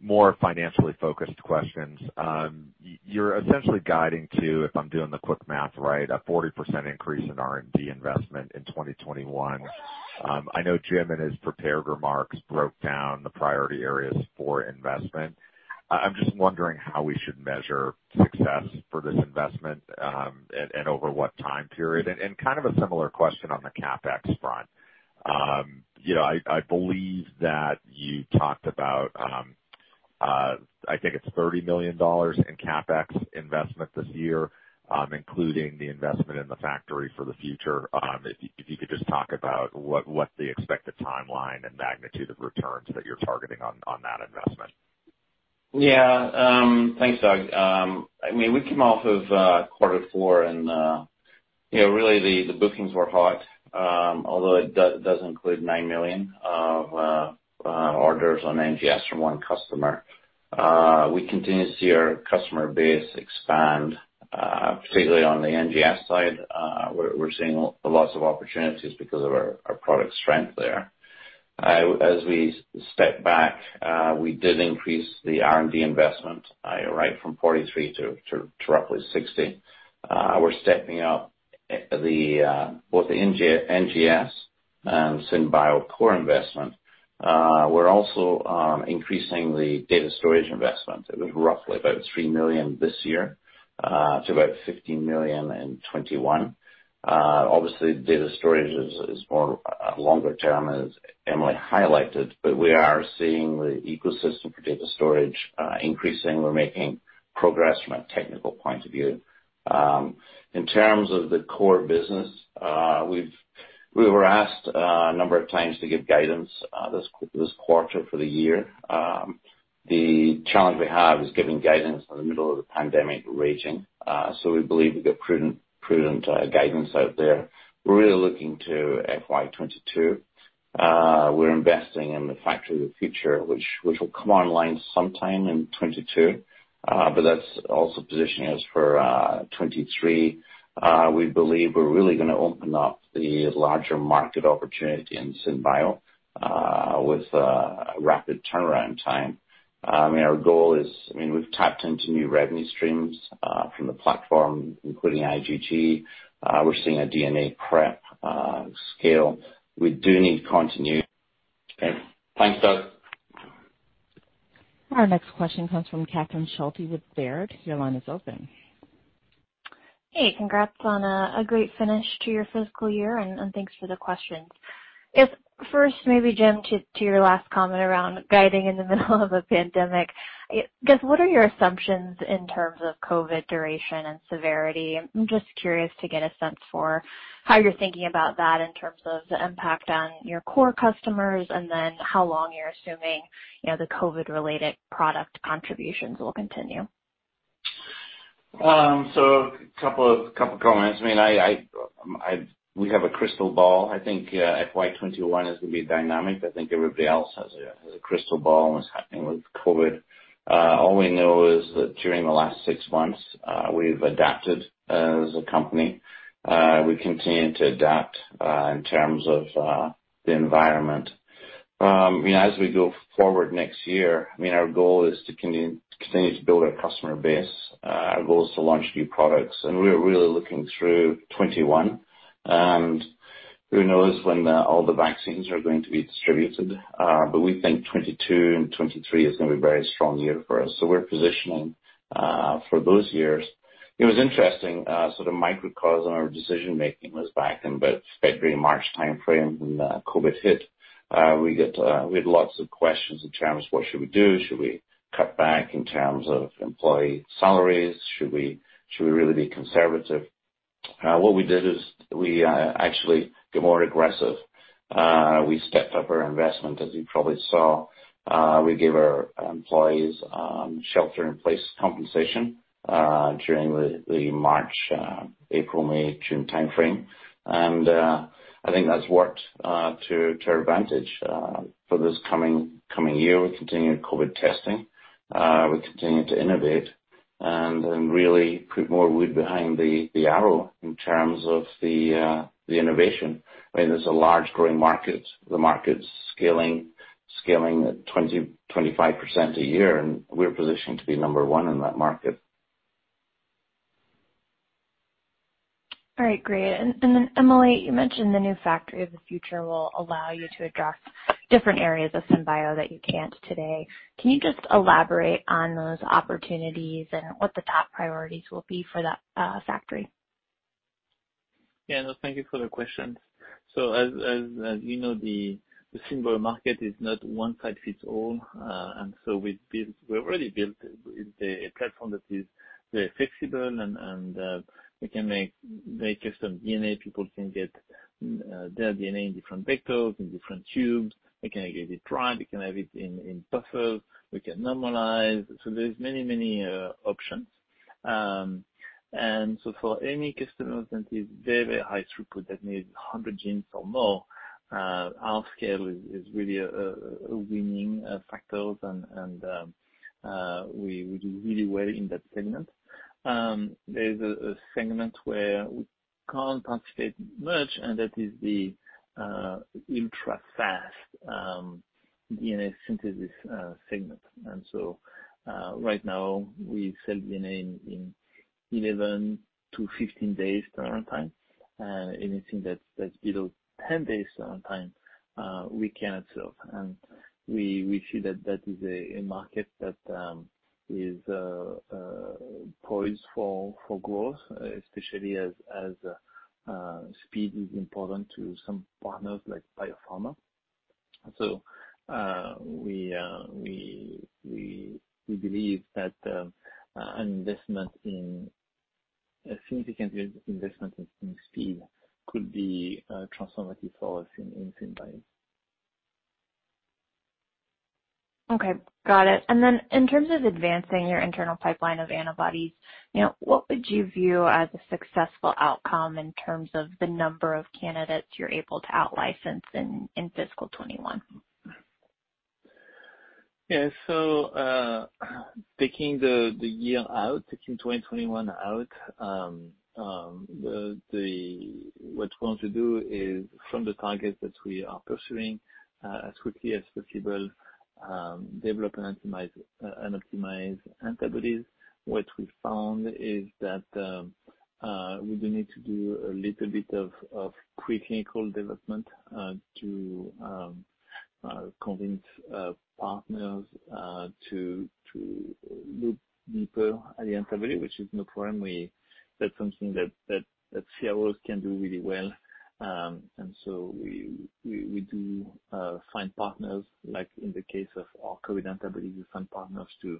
more financially focused questions. You're essentially guiding to, if I'm doing the quick math right, a 40% increase in R&D investment in 2021. I know Jim in his prepared remarks broke down the priority areas for investment. I'm just wondering how we should measure success for this investment, and over what time period. Kind of a similar question on the CapEx front. I believe that you talked about, I think it's $30 million in CapEx investment this year, including the investment in the factory for the future. If you could just talk about what the expected timeline and magnitude of returns that you're targeting on that investment? Yeah. Thanks, Doug. We came off of quarter four and really the bookings were hot, although it does include $9 million of orders on NGS from one customer. We continue to see our customer base expand, particularly on the NGS side. We're seeing lots of opportunities because of our product strength there. As we step back, we did increase the R&D investment from 43 to roughly 60. We're stepping up both the NGS and SynBio core investment. We're also increasing the data storage investment. It was roughly about $3 million this year to about $15 million in 2021. Obviously, data storage is more longer term, as Emily highlighted, but we are seeing the ecosystem for data storage increasing. We're making progress from a technical point of view. In terms of the core business, we were asked a number of times to give guidance this quarter for the year. The challenge we have is giving guidance in the middle of the pandemic raging. We believe we give prudent guidance out there. We're really looking to FY 2022. We're investing in the factory of the future, which will come online sometime in 2022. That's also positioning us for 2023. We believe we're really going to open up the larger market opportunity in SynBio with a rapid turnaround time. Our goal is we've tapped into new revenue streams from the platform, including IgG. We're seeing a DNA prep scale. We do need continuity. Thanks, Doug. Our next question comes from Catherine Schulte with Baird. Your line is open. Hey, congrats on a great finish to your fiscal year, and thanks for the questions. First maybe, Jim, to your last comment around guiding in the middle of a pandemic, just what are your assumptions in terms of COVID duration and severity? I'm just curious to get a sense for how you're thinking about that in terms of the impact on your core customers, and then how long you're assuming the COVID-related product contributions will continue. A couple of comments. I think FY 2021 is going to be dynamic. I think everybody else has a crystal ball on what's happening with COVID. All we know is that during the last six months, we've adapted as a company. We continue to adapt in terms of the environment. As we go forward next year, our goal is to continue to build our customer base. Our goal is to launch new products. We're really looking through 2021. Who knows when all the vaccines are going to be distributed. We think 2022 and 2023 is going to be a very strong year for us. We're positioning for those years. It was interesting, sort of microcosm of our decision-making was back in about February, March timeframe when COVID hit. We had lots of questions in terms of what should we do. Should we cut back in terms of employee salaries? Should we really be conservative? What we did is we actually got more aggressive. We stepped up our investment, as you probably saw. We gave our employees shelter-in-place compensation during the March, April, May, June timeframe. I think that's worked to our advantage for this coming year with continued COVID testing. We continue to innovate and really put more wood behind the arrow in terms of the innovation. There's a large growing market. The market's scaling at 20%-25% a year, and we're positioned to be number one in that market. All right, great. Emily, you mentioned the new factory of the future will allow you to address different areas of SynBio that you can't today. Can you just elaborate on those opportunities and what the top priorities will be for that factory? Yeah. No, thank you for the question. As you know, the SynBio market is not one size fits all. We've already built a platform that is very flexible, and we can make custom DNA. People can get their DNA in different vectors, in different tubes. They can get it dried. They can have it in buffers. We can normalize. There's many options. For any customer that is very high throughput, that needs 100 genes or more, our scale is really a winning factor and we do really well in that segment. There's a segment where we can't participate much, and that is the ultrafast DNA synthesis segment. Right now we sell DNA in 11-15 days turnaround time. Anything that's below 10 days turnaround time, we cannot serve. We see that is a market that is poised for growth, especially as speed is important to some partners like Biopharma. We believe that a significant investment in speed could be transformative for us in SynBio. Okay, got it. In terms of advancing your internal pipeline of antibodies, what would you view as a successful outcome in terms of the number of candidates you're able to out-license in FY 2021? Taking the year out, taking 2021 out, what we want to do is from the targets that we are pursuing, as quickly as possible, develop and optimize antibodies. What we found is that, we do need to do a little bit of pre-clinical development to convince partners to look deeper at the antibody, which is no problem. That's something that CROs can do really well. We do find partners, like in the case of our COVID antibodies, we find partners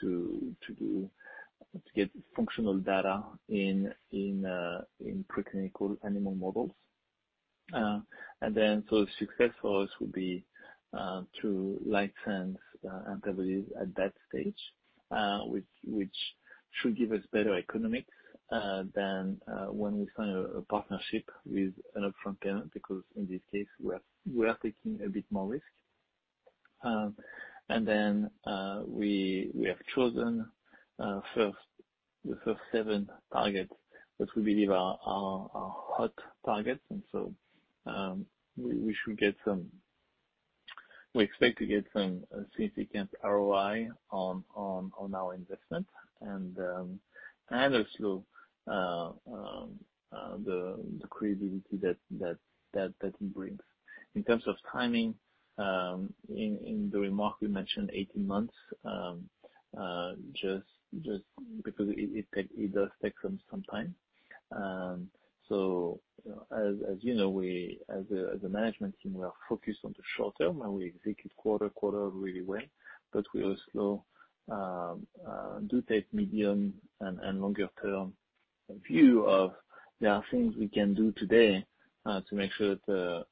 to get functional data in pre-clinical animal models. Success for us would be to license antibodies at that stage, which should give us better economics than when we sign a partnership with an upfront payment, because in this case, we are taking a bit more risk. We have chosen the first seven targets, which we believe are our hot targets. We expect to get some significant ROI on our investment and also the credibility that it brings. In terms of timing, in the remark, we mentioned 18 months, just because it does take them some time. As you know, as a management team, we are focused on the short term and we execute quarter-on-quarter really well. We also do take medium and longer term view of there are things we can do today to make sure that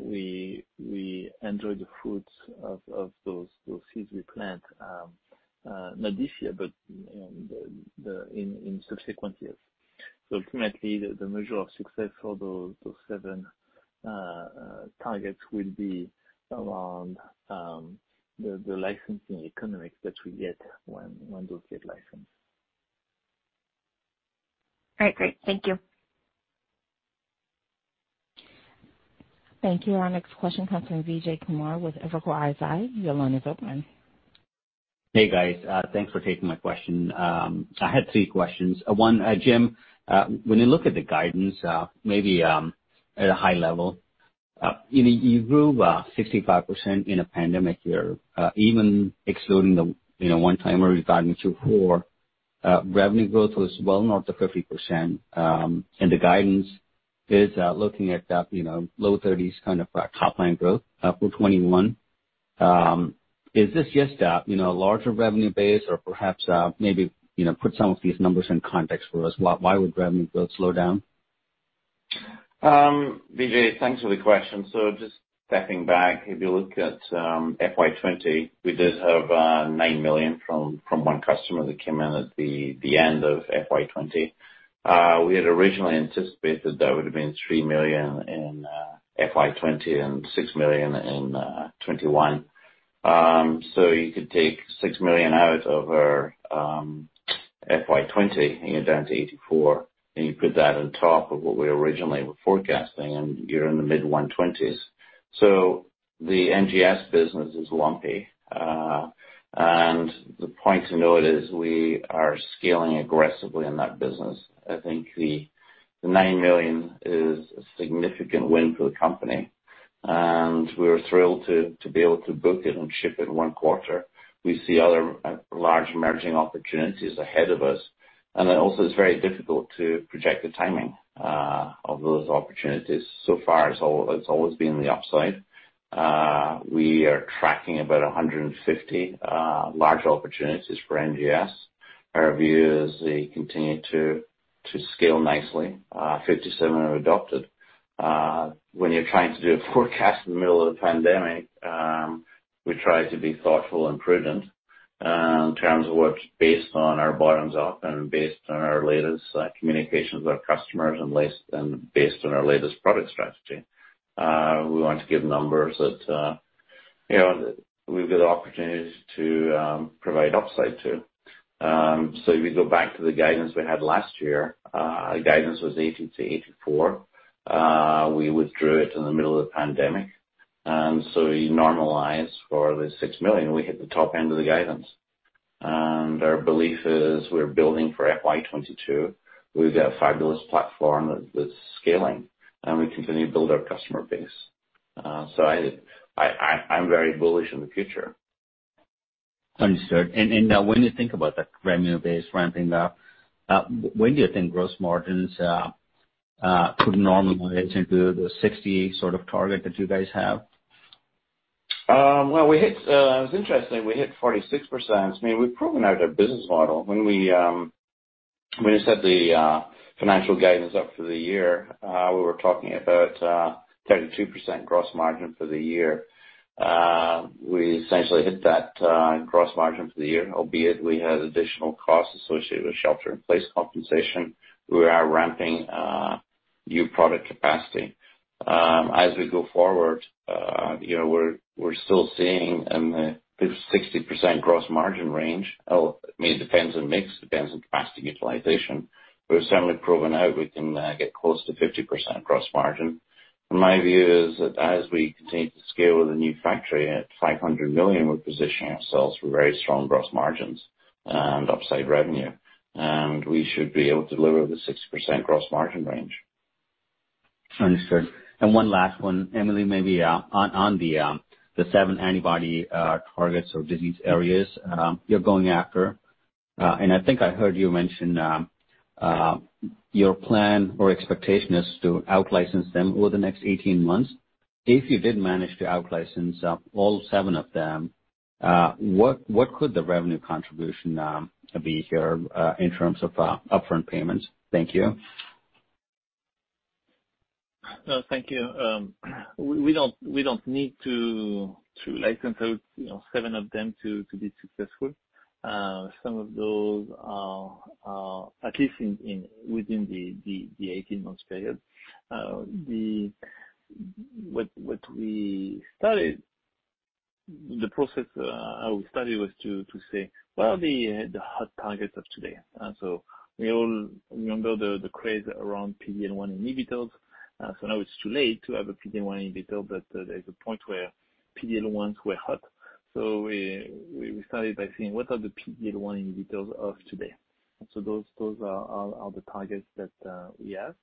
we enjoy the fruits of those seeds we plant, not this year, but in subsequent years. So Ultimately, the measure of success for those to seven targets will be around the licensing economics that we get uncertain. All right. Great. Thank you. Thank you. Our next question comes from Vijay Kumar with Evercore ISI. Your line is open. Hey, guys. Thanks for taking my question. I had three questions. One, Jim, when you look at the guidance, maybe at a high level, you grew 65% in a pandemic year. Even excluding the one-timer you got in Q4, revenue growth was well north of 50%, and the guidance is looking at that low 30s kind of top-line growth for 2021. Is this just a larger revenue base or perhaps maybe put some of these numbers in context for us? Why would revenue growth slow down? Vijay, thanks for the question. Just stepping back, if you look at FY 2020, we did have $9 million from one customer that came in at the end of FY 2020. We had originally anticipated that would have been $3 million in FY 2020 and $6 million in 2021. You could take $6 million out of our FY 2020, and you're down to $84 million, and you put that on top of what we originally were forecasting, and you're in the mid-$120s. The NGS business is lumpy. The point to note is we are scaling aggressively in that business. I think the $9 million is a significant win for the company, and we're thrilled to be able to book it and ship it in one quarter. We see other large emerging opportunities ahead of us. It's very difficult to project the timing of those opportunities. Far, it's always been on the upside. We are tracking about 150 large opportunities for NGS. Our view is they continue to scale nicely. 57 are adopted. When you're trying to do a forecast in the middle of the pandemic, we try to be thoughtful and prudent in terms of what's based on our bottoms up and based on our latest communications with our customers and based on our latest product strategy. We want to give numbers that we've got opportunities to provide upside to. If we go back to the guidance we had last year, the guidance was $80 million-$84 million. We withdrew it in the middle of the pandemic, you normalize for the $6 million, we hit the top end of the guidance. Our belief is we're building for FY 2022. We've got a fabulous platform that's scaling, and we continue to build our customer base. I'm very bullish on the future. Understood. When you think about that revenue base ramping up, when do you think gross margins could normalize into the 60 sort of target that you guys have? Well, it's interesting, we hit 46%. I mean, we've proven out our business model. When we set the financial guidance up for the year, we were talking about 32% gross margin for the year. We essentially hit that gross margin for the year, albeit we had additional costs associated with shelter-in-place compensation. We are ramping new product capacity. As we go forward, we're still seeing in the 60% gross margin range. I mean, it depends on mix, depends on capacity utilization, but we've certainly proven out we can get close to 50% gross margin. My view is that as we continue to scale with the new factory at $500 million, we're positioning ourselves for very strong gross margins and upside revenue. We should be able to deliver the 60% gross margin range. Understood. One last one, Emily, maybe on the seven antibody targets or disease areas you're going after, and I think I heard you mention your plan or expectation is to out-license them over the next 18 months. If you did manage to out-license all seven of them, what could the revenue contribution be here in terms of upfront payments? Thank you. No, thank you. We don't need to license out seven of them to be successful. Some of those are at least within the 18 months period. What we studied, the process how we studied was to say, What are the hot targets of today? We all remember the craze around PD-L1 inhibitors. Now it's too late to have a PD-L1 inhibitor, but there's a point where PD-L1s were hot. We started by saying, What are the PD-L1 inhibitors of today? Those are the targets that we have.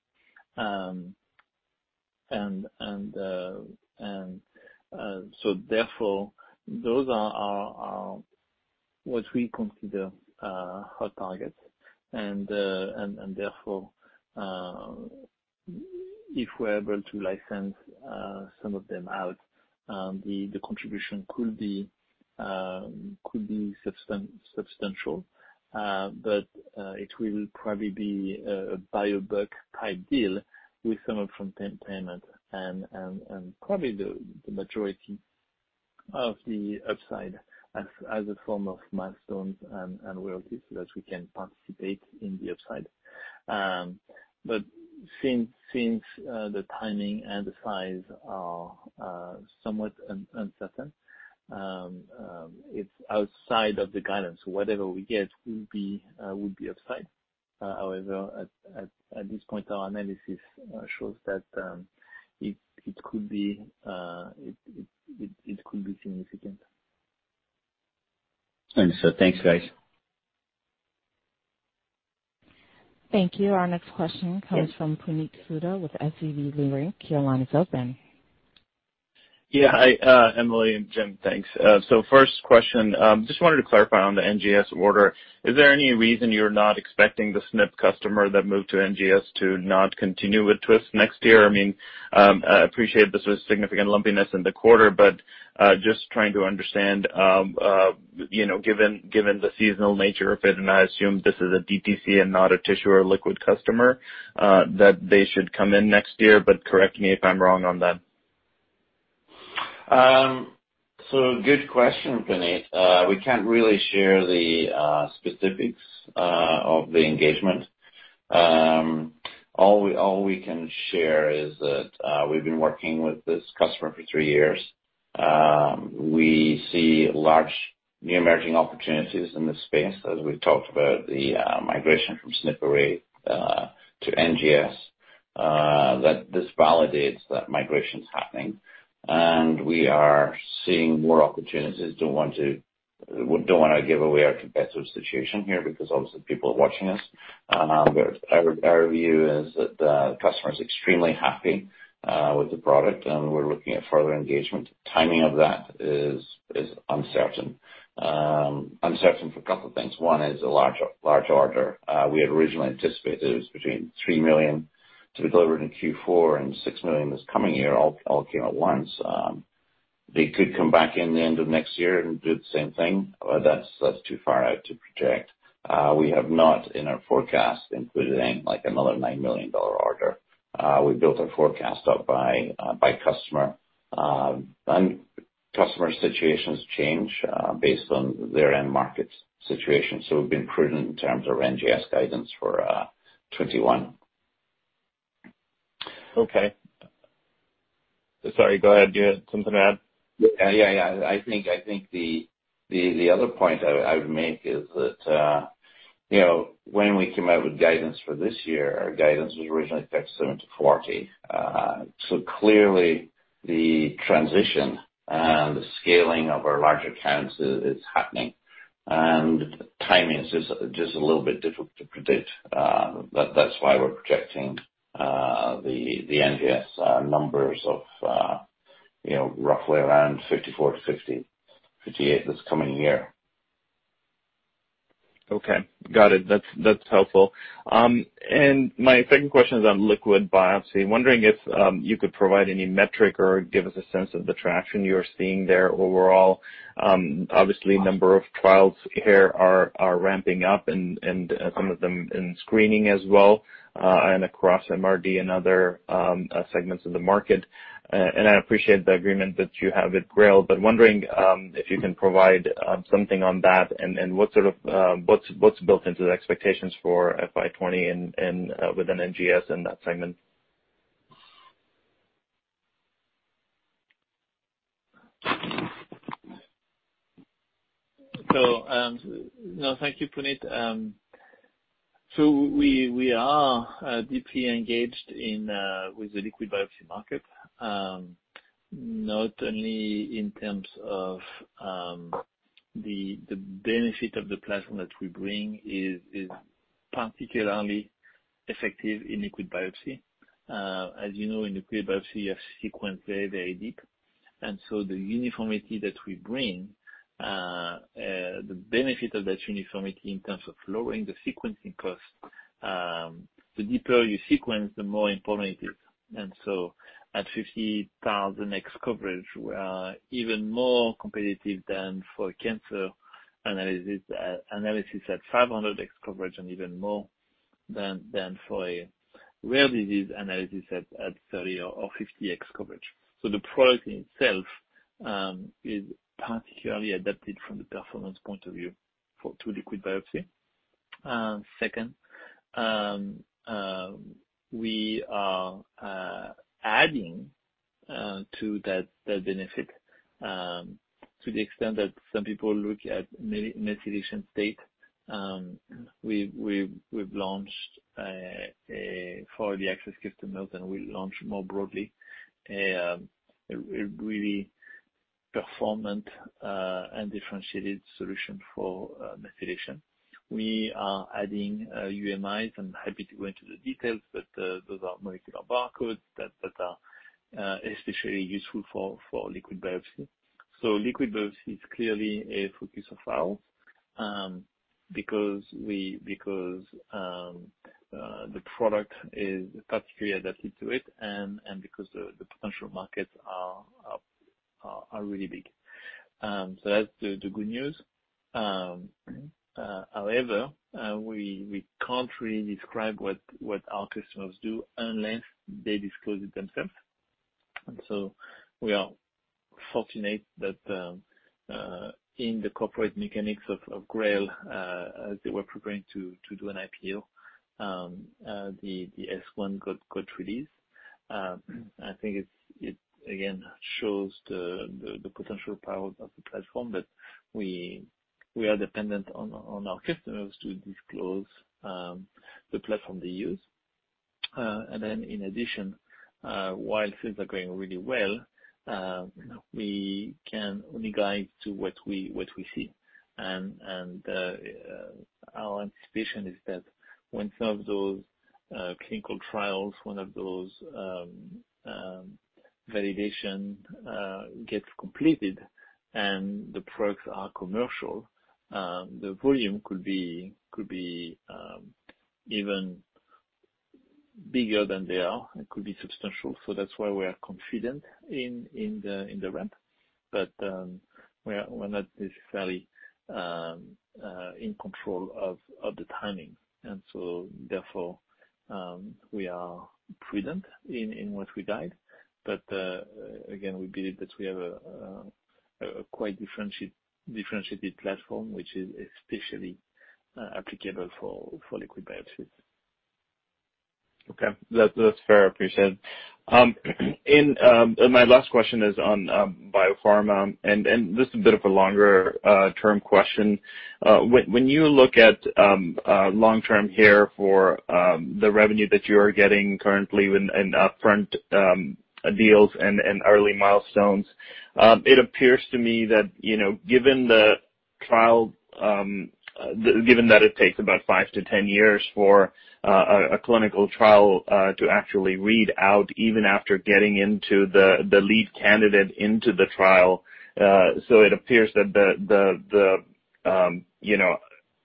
Therefore, those are what we consider hot targets. Therefore, if we're able to license some of them out, the contribution could be substantial. It will probably be a biobucks-type deal with some upfront payment and probably the majority of the upside as a form of milestones and royalties that we can participate in the upside. Since the timing and the size are somewhat uncertain, it's outside of the guidance. Whatever we get will be upside. However, at this point, our analysis shows that it could be significant. Understood. Thanks, guys. Thank you. Our next question comes from Puneet Souda with SVB Leerink. Your line is open. Yeah. Hi Emily and Jim. Thanks. First question, just wanted to clarify on the NGS order. Is there any reason you're not expecting the SNP customer that moved to NGS to not continue with Twist next year? I mean, I appreciate this was significant lumpiness in the quarter, but just trying to understand, given the seasonal nature of it, and I assume this is a DTC and not a tissue or liquid customer, that they should come in next year. Correct me if I'm wrong on that. Good question, Puneet. We can't really share the specifics of the engagement. All we can share is that we've been working with this customer for three years. We see large new emerging opportunities in this space as we've talked about the migration from SNP array to NGS. This validates that migration's happening. We are seeing more opportunities. Don't want to give away our competitive situation here, because obviously people are watching us. Our view is that the customer is extremely happy with the product, and we're looking at further engagement. Timing of that is uncertain. Uncertain for a couple of things. One is a large order. We had originally anticipated it was between $3 million to be delivered in Q4 and $6 million this coming year, all came at once. They could come back in the end of next year and do the same thing, but that's too far out to project. We have not, in our forecast, included in another $9 million order. We built our forecast up by customer. Customer situations change based on their end market situation. We've been prudent in terms of NGS guidance for 2021. Okay. Sorry, go ahead. You had something to add? I think the other point I would make is that when we came out with guidance for this year, our guidance was originally $37-$40. Clearly the transition and the scaling of our larger accounts is happening and timing is just a little bit difficult to predict. That's why we're projecting the NGS numbers of roughly around $54-$58 this coming year. Okay. Got it. That's helpful. My second question is on liquid biopsy. Wondering if you could provide any metric or give us a sense of the traction you are seeing there overall. Obviously a number of trials here are ramping up and some of them in screening as well, and across MRD and other segments of the market. I appreciate the agreement that you have with GRAIL, but wondering if you can provide something on that and what's built into the expectations for FY 2020 within NGS in that segment. No, thank you, Puneet. We are deeply engaged with the liquid biopsy market. Not only in terms of the benefit of the platform that we bring is particularly effective in liquid biopsy. As you know, in liquid biopsy, you have sequence very, very deep. The uniformity that we bring, the benefit of that uniformity in terms of lowering the sequencing cost. The deeper you sequence, the more informative. At 50,000x coverage, we are even more competitive than for cancer analysis at 500x coverage and even more than for a rare disease analysis at 30 or 50x coverage. The product in itself is particularly adapted from the performance point of view to liquid biopsy. Second, we are adding to that benefit, to the extent that some people look at methylation state. We've launched for the access customers, and we launch more broadly, a really performant and differentiated solution for methylation. We are adding UMIs. I'm happy to go into the details, but those are molecular barcodes that are especially useful for liquid biopsy. Liquid biopsy is clearly a focus of ours, because the product is particularly adapted to it and because the potential markets are really big. That's the good news. However, we can't really describe what our customers do unless they disclose it themselves. We are fortunate that in the corporate mechanics of GRAIL as they were preparing to do an IPO, the S-1 got released. I think it, again, shows the potential power of the platform, but we are dependent on our customers to disclose the platform they use. In addition, while things are going really well, we can only guide to what we see. Our anticipation is that when some of those clinical trials, one of those validation gets completed and the products are commercial, the volume could be even bigger than they are. It could be substantial. That's why we are confident in the ramp. We're not necessarily in control of the timing. Therefore, we are prudent in what we guide. Again, we believe that we have a quite differentiated platform, which is especially applicable for liquid biopsies. My last question is on Biopharma, and this is a bit of a longer-term question. When you look at long-term here for the revenue that you are getting currently in upfront deals and early milestones, it appears to me that, given that it takes about 5-10 years for a clinical trial to actually read out, even after getting the lead candidate into the trial, it appears that the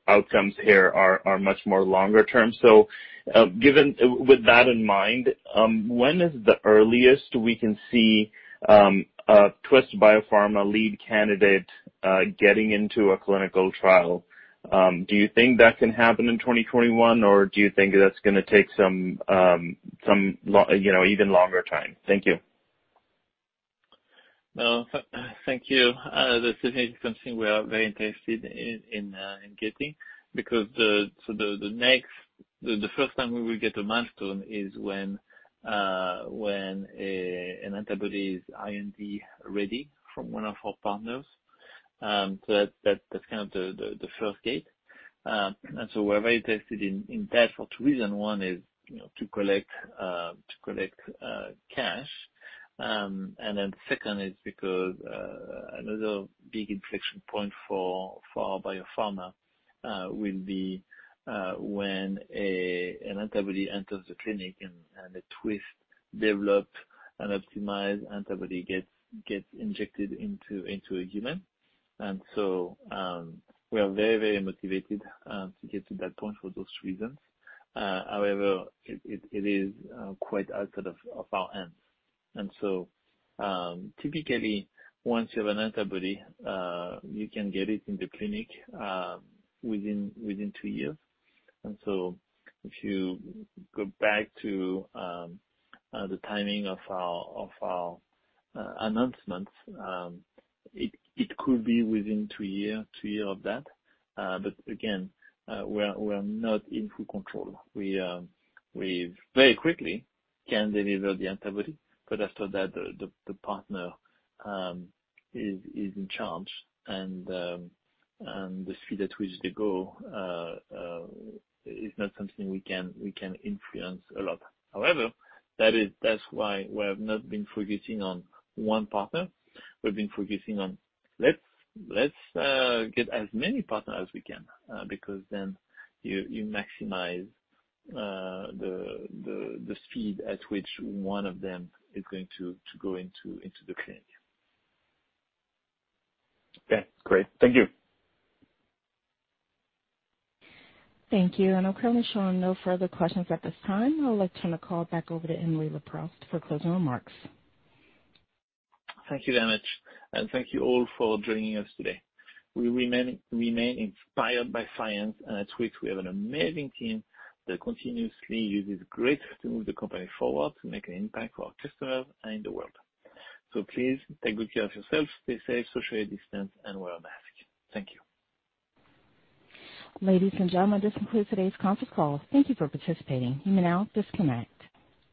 outcomes here are much more longer-term. With that in mind, when is the earliest we can see a Twist Biopharma lead candidate getting into a clinical trial? Do you think that can happen in 2021, or do you think that's going to take some even longer time? Thank you. Thank you. This is something we are very interested in getting. The first time we will get a milestone is when an antibody is IND-ready from one of our partners. That's kind of the first gate. We're very interested in that for two reasons. One is to collect cash. Second is because another big inflection point for Biopharma will be when an antibody enters the clinic, and the Twist-developed and optimized antibody gets injected into a human. We are very motivated to get to that point for those reasons. However, it is quite out of our hands. Typically, once you have an antibody, you can get it in the clinic within two years. If you go back to the timing of our announcements, it could be within two years of that. Again, we're not in full control. We very quickly can deliver the antibody, but after that, the partner is in charge. The speed at which they go is not something we can influence a lot. However, that's why we have not been focusing on one partner. We've been focusing on, let's get as many partners as we can, because then you maximize the speed at which one of them is going to go into the clinic. Okay, great. Thank you. Thank you. Currently showing no further questions at this time. I would like to turn the call back over to Emily Leproust for closing remarks. Thank you very much. Thank you all for joining us today. We remain inspired by science, and at Twist, we have an amazing team that continuously uses grit to move the company forward to make an impact for our customers and the world. Please take good care of yourselves, stay safe, socially distance, and wear a mask. Thank you. Ladies and gentlemen, this concludes today's conference call. Thank you for participating. You may now disconnect.